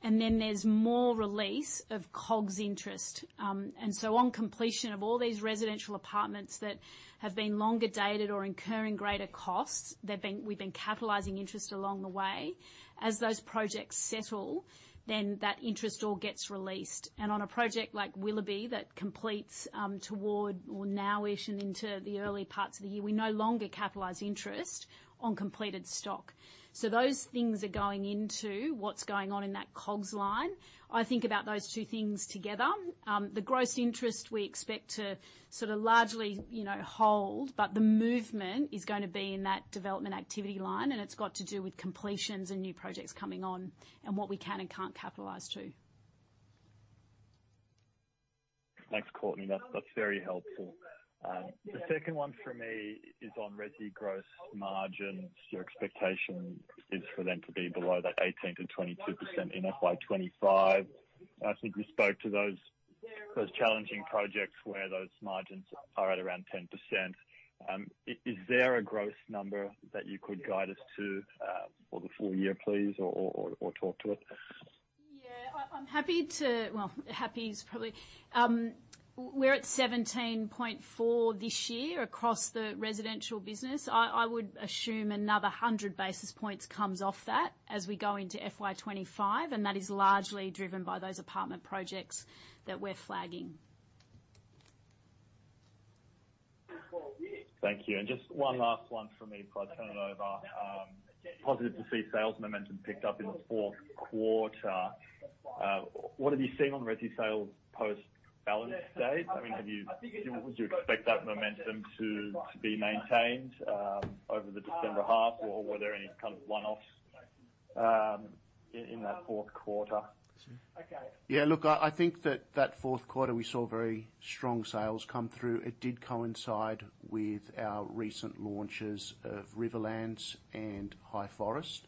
And then there's more release of costs interest. And so on completion of all these residential apartments that have been longer dated or incurring greater costs, we've been capitalizing interest along the way. As those projects settle, then that interest all gets released. And on a project like Willoughby that completes toward or now-ish and into the early parts of the year, we no longer capitalize interest on completed stock. So those things are going into what's going on in that EBIT line. I think about those two things together. The gross interest we expect to sort of largely hold, but the movement is going to be in that development activity line, and it's got to do with completions and new projects coming on and what we can and can't capitalize to. Thanks, Courtenay. That's very helpful. The second one for me is on recurring gross margins. Your expectation is for them to be below that 18%-22% in FY 2025. I think we spoke to those challenging projects where those margins are at around 10%. Is there a gross number that you could guide us to for the full year, please, or talk to us? Yeah, I'm happy to, well, happy is probably, we're at 17.4 this year across the residential business. I would assume another 100 basis points comes off that as we go into FY 2025, and that is largely driven by those apartment projects that we're flagging. Thank you. And just one last one for me before I turn it over. Positive to see sales momentum picked up in the fourth quarter. What have you seen on the Resi sales post-balance date? I mean, would you expect that momentum to be maintained over the December half, or were there any kind of one-offs in that fourth quarter? Yeah, look, I think that that fourth quarter we saw very strong sales come through. It did coincide with our recent launches of Riverlands and Highforest.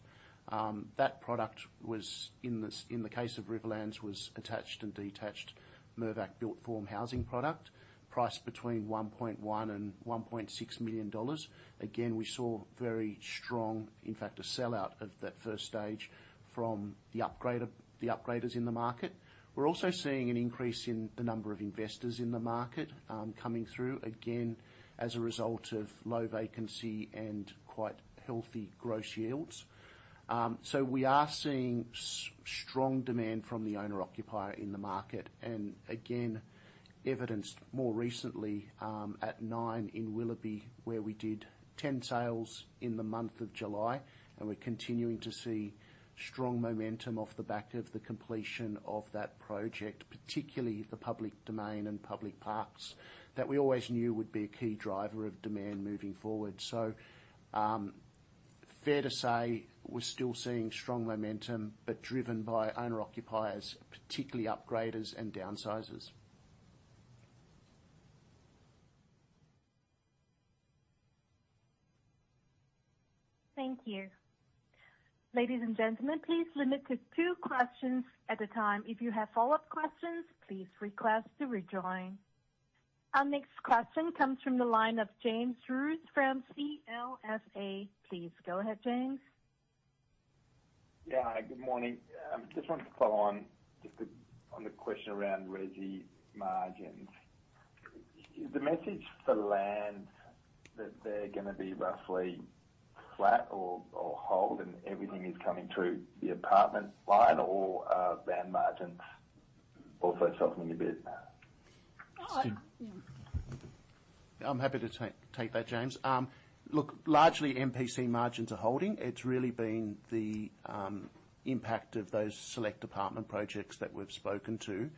That product was, in the case of Riverlands, was attached and detached Mirvac Built Form housing product, priced between 1.1 million-1.6 million dollars. Again, we saw very strong, in fact, a sellout of that first stage from the upgraders in the market. We're also seeing an increase in the number of investors in the market coming through, again, as a result of low vacancy and quite healthy gross yields. So we are seeing strong demand from the owner-occupier in the market and, again, evidenced more recently at Nine in Willoughby, where we did 10 sales in the month of July. We're continuing to see strong momentum off the back of the completion of that project, particularly the public domain and public parks that we always knew would be a key driver of demand moving forward. Fair to say we're still seeing strong momentum, but driven by owner-occupiers, particularly upgraders and downsizers. Thank you. Ladies and gentlemen, please limit to two questions at a time. If you have follow-up questions, please request to rejoin. Our next question comes from the line of James Druce from CLSA. Please go ahead, James. Yeah, good morning. I just wanted to follow on just on the question around rental margins. Is the message for land that they're going to be roughly flat or hold and everything is coming through the apartment line or land margins also softening a bit? I'm happy to take that, James. Look, largely MPC margins are holding. It's really been the impact of those select apartment projects that we've spoken to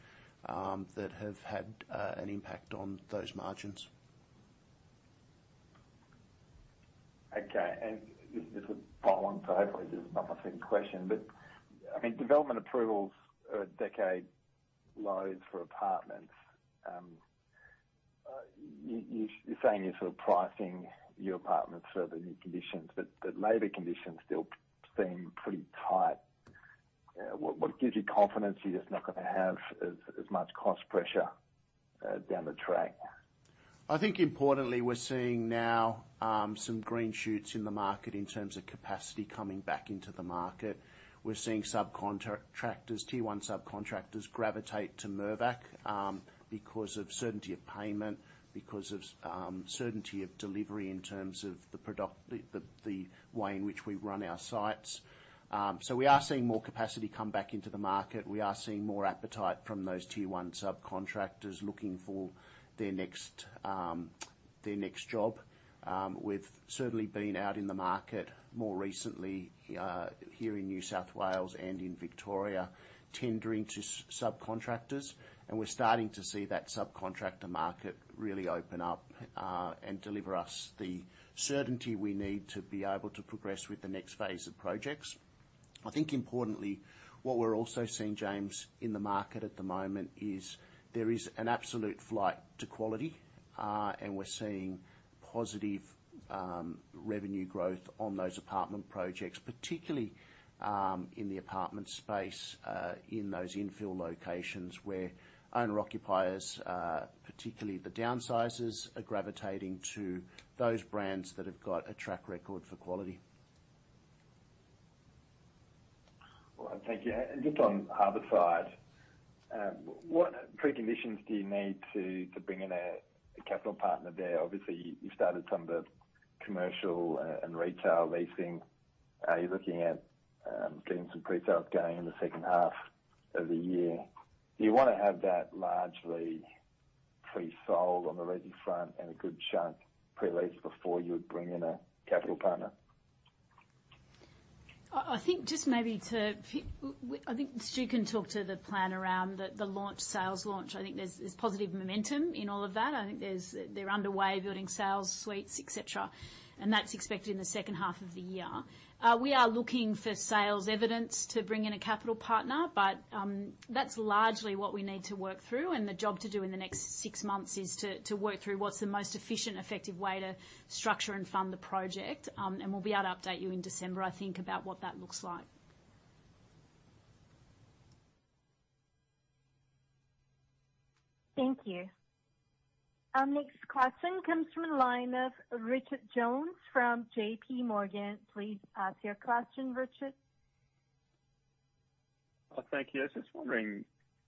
that have had an impact on those margins. Okay. And this would follow on to hopefully just another same question. But I mean, development approvals are at decade lows for apartments. You're saying you're sort of pricing your apartments further than your conditions, but the labor conditions still seem pretty tight. What gives you confidence you're just not going to have as much cost pressure down the track? I think importantly, we're seeing now some green shoots in the market in terms of capacity coming back into the market. We're seeing subcontractors, Tier 1 subcontractors gravitate to Mirvac because of certainty of payment, because of certainty of delivery in terms of the way in which we run our sites. So we are seeing more capacity come back into the market. We are seeing more appetite from those T1 subcontractors looking for their next job, with certainty being out in the market more recently here in New South Wales and in Victoria tendering to subcontractors. And we're starting to see that subcontractor market really open up and deliver us the certainty we need to be able to progress with the next phase of projects. I think importantly, what we're also seeing, James, in the market at the moment is there is an absolute flight to quality, and we're seeing positive revenue growth on those apartment projects, particularly in the apartment space in those infill locations where owner-occupiers, particularly the downsizers, are gravitating to those brands that have got a track record for quality. All right, thank you. Just on Harbourside, what preconditions do you need to bring in a capital partner there? Obviously, you've started some of the commercial and retail leasing. You're looking at getting some pre-sales going in the second half of the year. Do you want to have that largely pre-sold on the residential front and a good chunk pre-leased before you would bring in a capital partner? I think just maybe to, I think Stu can talk to the plan around the launch sales launch. I think there's positive momentum in all of that. I think they're underway building sales suites, etc., and that's expected in the second half of the year. We are looking for sales evidence to bring in a capital partner, but that's largely what we need to work through. The job to do in the next six months is to work through what's the most efficient, effective way to structure and fund the project. We'll be able to update you in December, I think, about what that looks like. Thank you. Our next question comes from the line of Richard Jones from J.P. Morgan. Please pass your question, Richard. Thank you. I was just wondering,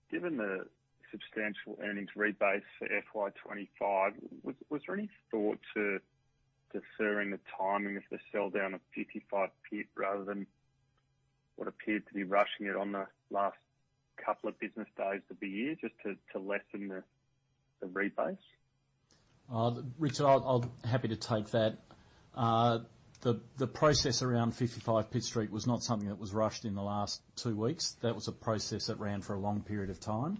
given the substantial earnings rebase for FY 2025, was there any thought to deferring the timing of the sell down of 55 Pitt rather than what appeared to be rushing it on the last couple of business days to be here just to lessen the rebase? Richard, I'm happy to take that. The process around 55 Pitt Street was not something that was rushed in the last two weeks. That was a process that ran for a long period of time.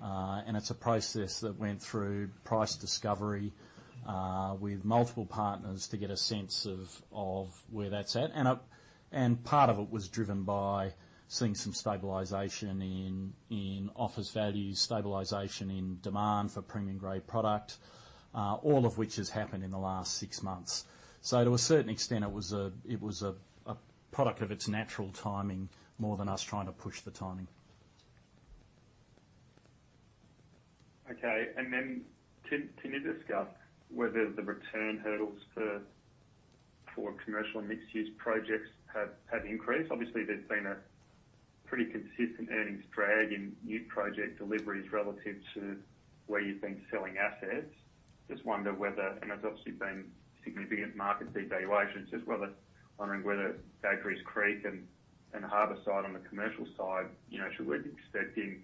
And it's a process that went through price discovery with multiple partners to get a sense of where that's at. And part of it was driven by seeing some stabilization in office value, stabilization in demand for premium-grade product, all of which has happened in the last six months. So to a certain extent, it was a product of its natural timing more than us trying to push the timing. Okay. Then can you discuss whether the return hurdles for commercial mixed-use projects have increased? Obviously, they've seen a pretty consistent earnings drag in new project deliveries relative to where you've been selling assets. Just wonder whether, and there's obviously been significant market devaluations as well as wondering whether it's Badgerys Creek and Harbourside on the commercial side, should we be expecting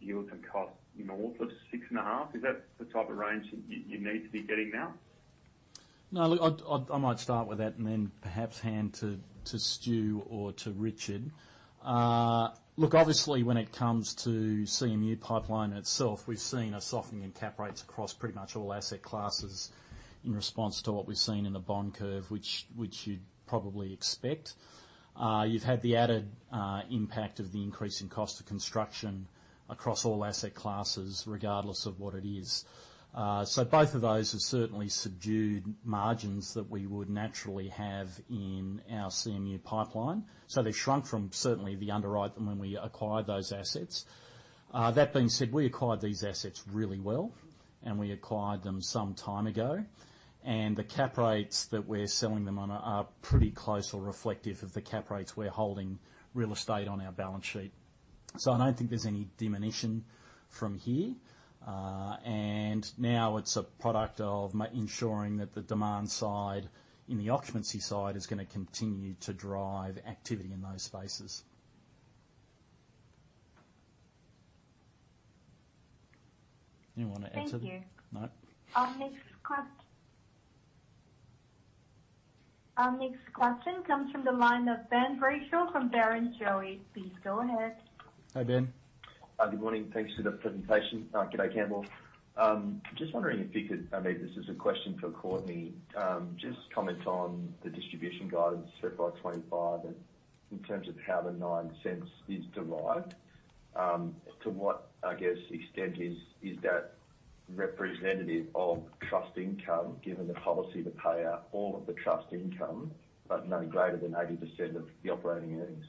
yields and costs in the order of 6.5? Is that the type of range you need to be getting now? No, I might start with that and then perhaps hand to Stu or to Richard. Look, obviously, when it comes to CMU pipeline itself, we've seen a softening in cap rates across pretty much all asset classes in response to what we've seen in the bond curve, which you'd probably expect. You've had the added impact of the increasing cost of construction across all asset classes, regardless of what it is. So both of those are certainly subdued margins that we would naturally have in our CMU pipeline. So they shrunk from certainly the underwrite when we acquired those assets. That being said, we acquired these assets really well, and we acquired them some time ago. And the cap rates that we're selling them on are pretty close or reflective of the cap rates we're holding real estate on our balance sheet. I don't think there's any diminution from here. Now it's a product of ensuring that the demand side in the occupancy side is going to continue to drive activity in those spaces. Anyone want to answer? Thank you. Next question. Our next question comes from the line of Ben Brayshaw from Barrenjoey. Please go ahead. Hi Ben. Good morning. Thanks for the presentation. Thank you, Campbell. Just wondering if you could, I mean, this is a question for Courtenay, just comment on the distribution guidance for FY 2025 and in terms of how the 0.09 is derived. To what, I guess, extent is that representative of trust income given the policy to pay out all of the trust income, but nothing greater than 80% of the operating earnings?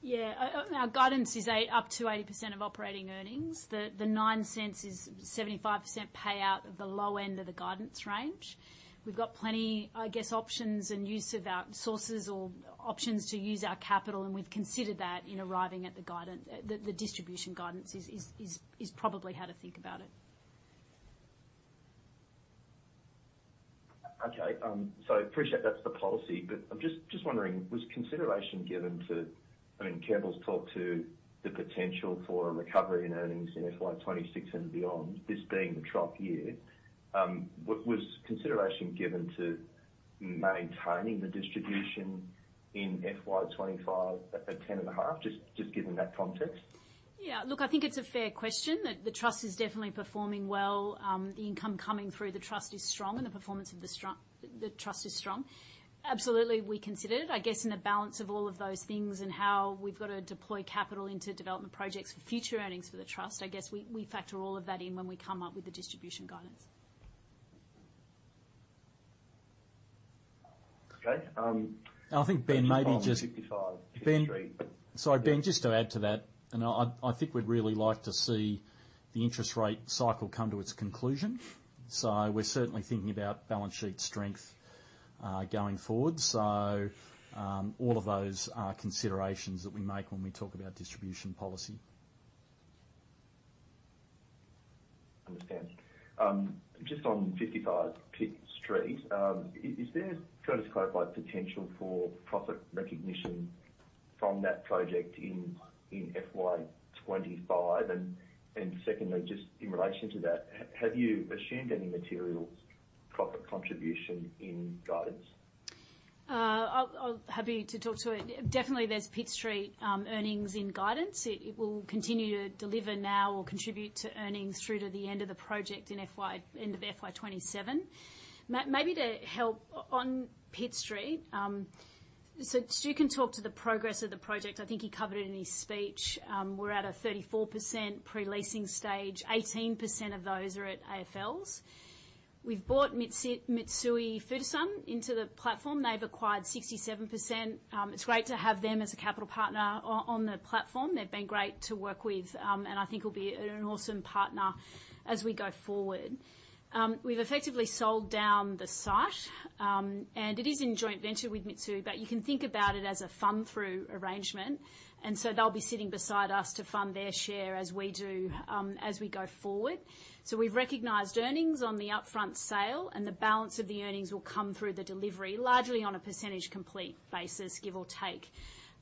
Yeah, our guidance is up to 80% of operating earnings. The 0.09 is 75% payout of the low end of the guidance range. We've got plenty, I guess, options and use of our sources or options to use our capital, and we've considered that in arriving at the distribution guidance is probably how to think about it. Okay. So I appreciate that's the policy, but I'm just wondering, was consideration given to, I mean, Campbell's talked to the potential for a recovery in earnings in FY 2026 and beyond, this being the trough year. What was consideration given to maintaining the distribution in FY 2025 at 10.5, just given that context? Yeah, look, I think it's a fair question. The trust is definitely performing well. The income coming through the trust is strong, and the performance of the trust is strong. Absolutely, we considered it. I guess in the balance of all of those things and how we've got to deploy capital into development projects for future earnings for the trust, I guess we factor all of that in when we come up with the distribution guidance. Okay. I think, Ben, maybe just. Sorry, Ben, just to add to that, and I think we'd really like to see the interest rate cycle come to its conclusion. So we're certainly thinking about balance sheet strength going forward. So all of those are considerations that we make when we talk about distribution policy. Understand. Just on 55 Pitt Street, is there further scope of potential for profit recognition from that project in FY 2025? And secondly, just in relation to that, have you assumed any material profit contribution in guidance? I'm happy to talk to it. Definitely, there's Pitt Street earnings in guidance. It will continue to deliver now or contribute to earnings through to the end of the project in end of FY 2027. Maybe to help on Pitt Street, so Stu can talk to the progress of the project. I think he covered it in his speech. We're at a 34% pre-leasing stage. 18% of those are at AFLs. We've bought Mitsui Fudosan into the platform. They've acquired 67%. It's great to have them as a capital partner on the platform. They've been great to work with, and I think will be an awesome partner as we go forward. We've effectively sold down the site, and it is in joint venture with Mitsui, but you can think about it as a fund-through arrangement. So they'll be sitting beside us to fund their share as we do as we go forward. So we've recognized earnings on the upfront sale, and the balance of the earnings will come through the delivery, largely on a percentage complete basis, give or take.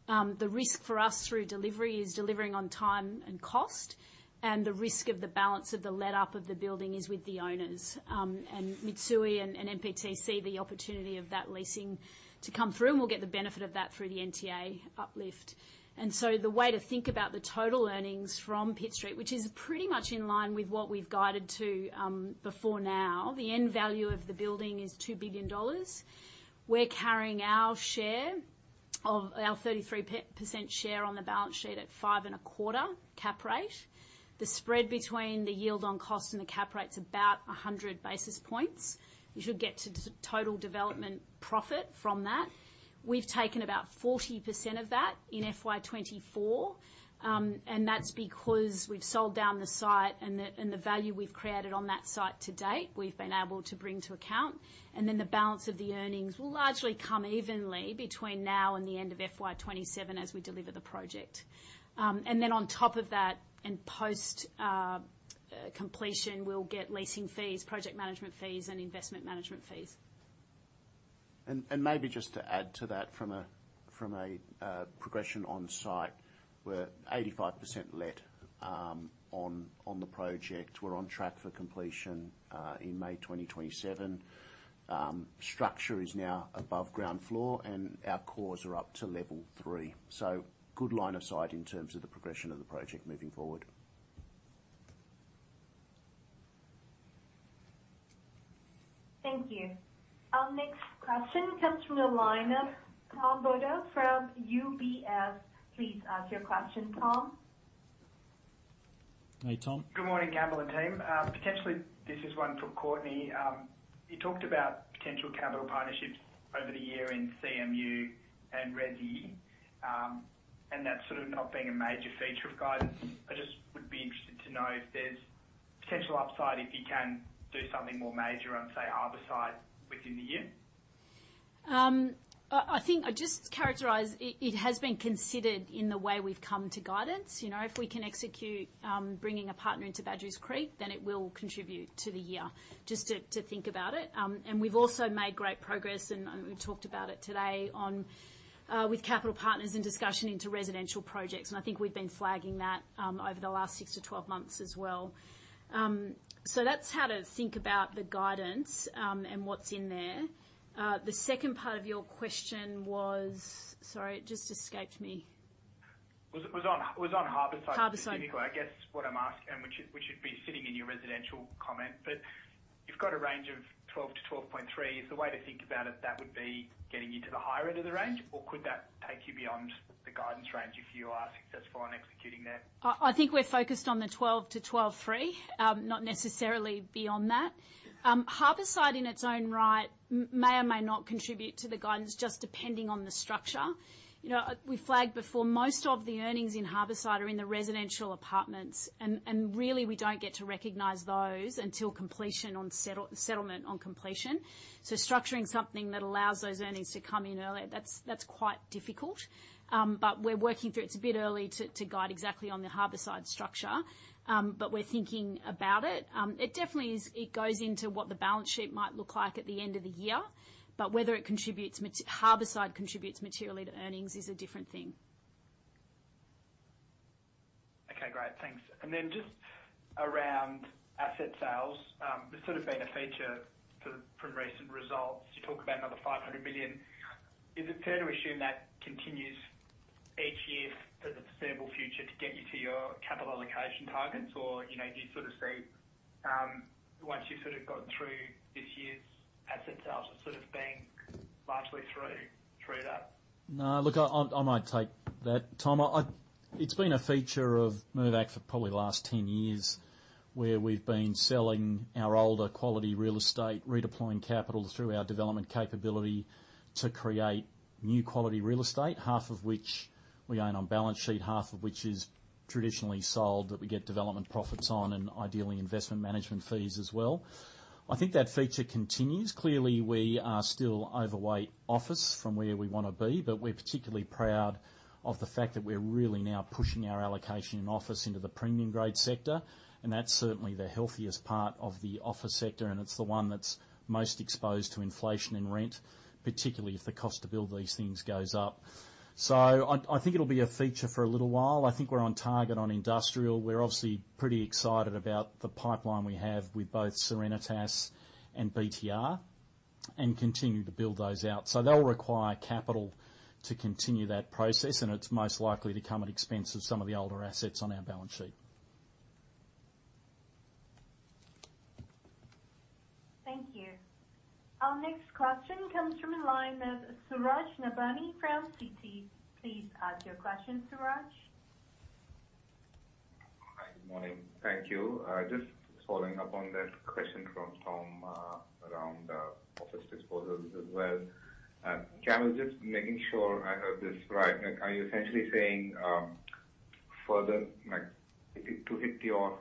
The risk for us through delivery is delivering on time and cost, and the risk of the balance of the let-up of the building is with the owners. And Mitsui and MPT see the opportunity of that leasing to come through, and we'll get the benefit of that through the NTA uplift. And so the way to think about the total earnings from 55 Pitt Street, which is pretty much in line with what we've guided to before now, the end value of the building is 2 billion dollars. We're carrying our share of our 33% share on the balance sheet at 5.25% cap rate. The spread between the yield on cost and the cap rate is about 100 basis points. You should get to total development profit from that. We've taken about 40% of that in FY 2024, and that's because we've sold down the site and the value we've created on that site to date we've been able to bring to account. And then the balance of the earnings will largely come evenly between now and the end of FY 2027 as we deliver the project. And then on top of that, and post-completion, we'll get leasing fees, project management fees, and investment management fees. Maybe just to add to that from a progression on site, we're 85% let on the project. We're on track for completion in May 2027. Structure is now above ground floor, and our cores are up to level three. So good line of sight in terms of the progression of the project moving forward. Thank you. Our next question comes from the line of Tom Beadle from UBS. Please ask your question, Tom. Hey, Tom. Good morning, Campbell and team. Potentially, this is one for Courtenay. You talked about potential capital partnerships over the year in CMU and Resi, and that's sort of not being a major feature of guidance. I just would be interested to know if there's potential upside if you can do something more major on, say, Harbourside within the year? I think I just characterize it has been considered in the way we've come to guidance. If we can execute bringing a partner into Badgerys Creek, then it will contribute to the year, just to think about it. And we've also made great progress, and we talked about it today with capital partners in discussion into residential projects. And I think we've been flagging that over the last 6-12 months as well. So that's how to think about the guidance and what's in there. The second part of your question was, sorry, it just escaped me. It was on Harbourside. Harbourside. I guess what I'm asking, which would be sitting in your residential comment, but you've got a range of 12-12.3. Is the way to think about it, that would be getting you to the higher end of the range, or could that take you beyond the guidance range if you are successful in executing there? I think we're focused on the 12-12.3, not necessarily beyond that. Harbourside in its own right may or may not contribute to the guidance, just depending on the structure. We flagged before most of the earnings in Harbourside are in the residential apartments, and really we don't get to recognize those until completion on settlement on completion. So structuring something that allows those earnings to come in earlier, that's quite difficult. But we're working through it. It's a bit early to guide exactly on the Harbourside structure, but we're thinking about it. It definitely goes into what the balance sheet might look like at the end of the year, but whether Harbourside contributes materially to earnings is a different thing. Okay, great. Thanks. And then just around asset sales, there's sort of been a feature from recent results. You talk about another 500 million. Is it fair to assume that continues each year for the foreseeable future to get you to your capital allocation targets, or do you sort of see once you've sort of got through this year's asset sales, it's sort of been largely through that? No, look, I might take that, Tom. It's been a feature of Mirvac for probably the last 10 years where we've been selling our older quality real estate, redeploying capital through our development capability to create new quality real estate, half of which we own on balance sheet, half of which is traditionally sold that we get development profits on and ideally investment management fees as well. I think that feature continues. Clearly, we are still overweight office from where we want to be, but we're particularly proud of the fact that we're really now pushing our allocation in office into the premium-grade sector, and that's certainly the healthiest part of the office sector, and it's the one that's most exposed to inflation and rent, particularly if the cost to build these things goes up. So I think it'll be a feature for a little while. I think we're on target on industrial. We're obviously pretty excited about the pipeline we have with both Serenitas and BTR and continue to build those out. So they'll require capital to continue that process, and it's most likely to come at expense of some of the older assets on our balance sheet. Thank you. Our next question comes from the line of Suraj Nebhani, Citi. Please ask your question, Suraj. Hi, good morning. Thank you. Just following up on that question from Tom around office disposals as well. Gavin, just making sure I heard this right. Are you essentially saying further to hit the 40%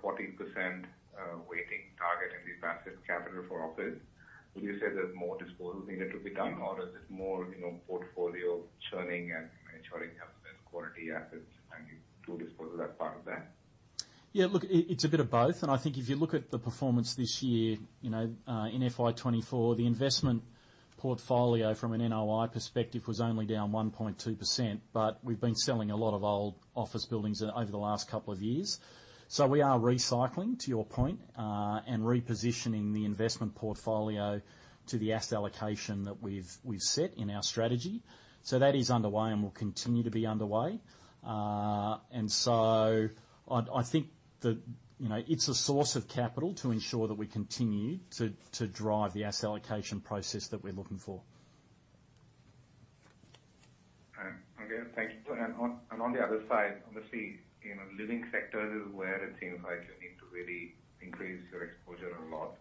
weighting target and we pass it capital for office? Would you say there's more disposal needed to be done, or is it more portfolio churning and ensuring quality assets and to disposal that part of that? Yeah, look, it's a bit of both. And I think if you look at the performance this year in FY 2024, the investment portfolio from an NOI perspective was only down 1.2%, but we've been selling a lot of old office buildings over the last couple of years. So we are recycling, to your point, and repositioning the investment portfolio to the asset allocation that we've set in our strategy. So that is underway and will continue to be underway. And so I think it's a source of capital to ensure that we continue to drive the asset allocation process that we're looking for. Okay, thank you. On the other side, obviously, living sector is where it seems like you need to really increase your exposure a lot,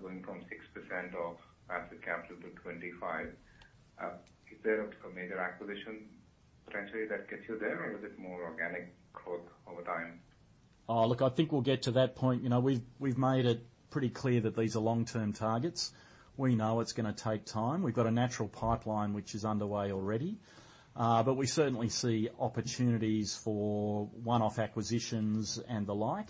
going from 6% of asset capital to 25%. Is there a major acquisition potentially that gets you there, or is it more organic growth over time? Look, I think we'll get to that point. We've made it pretty clear that these are long-term targets. We know it's going to take time. We've got a natural pipeline which is underway already, but we certainly see opportunities for one-off acquisitions and the like.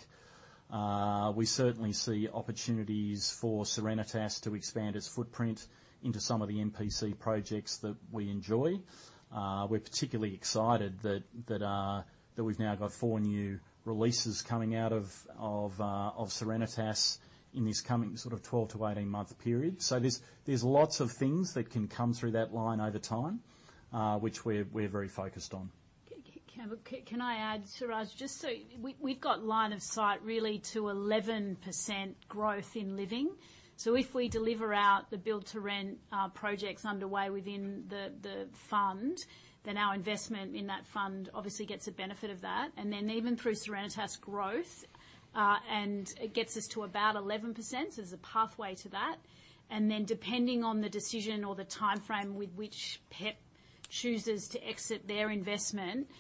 We certainly see opportunities for Serenitas to expand its footprint into some of the MPC projects that we enjoy. We're particularly excited that we've now got 4 new releases coming out of Serenitas in this coming sort of 12-18-month period. So there's lots of things that can come through that line over time, which we're very focused on. Can I add, Suraj, just so we've got line of sight really to 11% growth in living. So if we deliver out the build-to-rent projects underway within the fund, then our investment in that fund obviously gets a benefit of that. And then even through Serenitas growth, it gets us to about 11%. So there's a pathway to that. And then depending on the decision or the timeframe with which PEP chooses to exit their investment,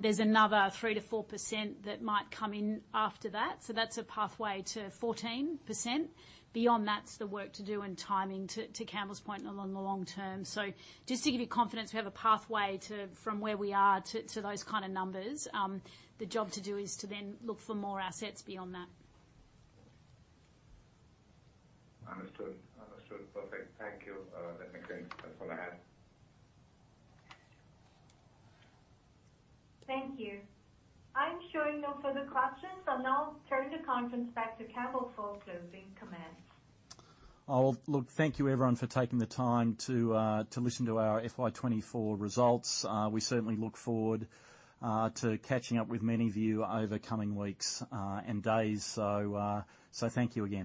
there's another 3%-4% that might come in after that. So that's a pathway to 14%. Beyond that, it's the work to do and timing to Campbell's point along the long term. So just to give you confidence, we have a pathway from where we are to those kind of numbers. The job to do is to then look for more assets beyond that. Understood. Understood. Perfect. Thank you. That's all I have. Thank you. I'm showing no further questions, and I'll turn the conference back to Campbell for closing comments. Look, thank you everyone for taking the time to listen to our FY 2024 results. We certainly look forward to catching up with many of you over coming weeks and days. So thank you again.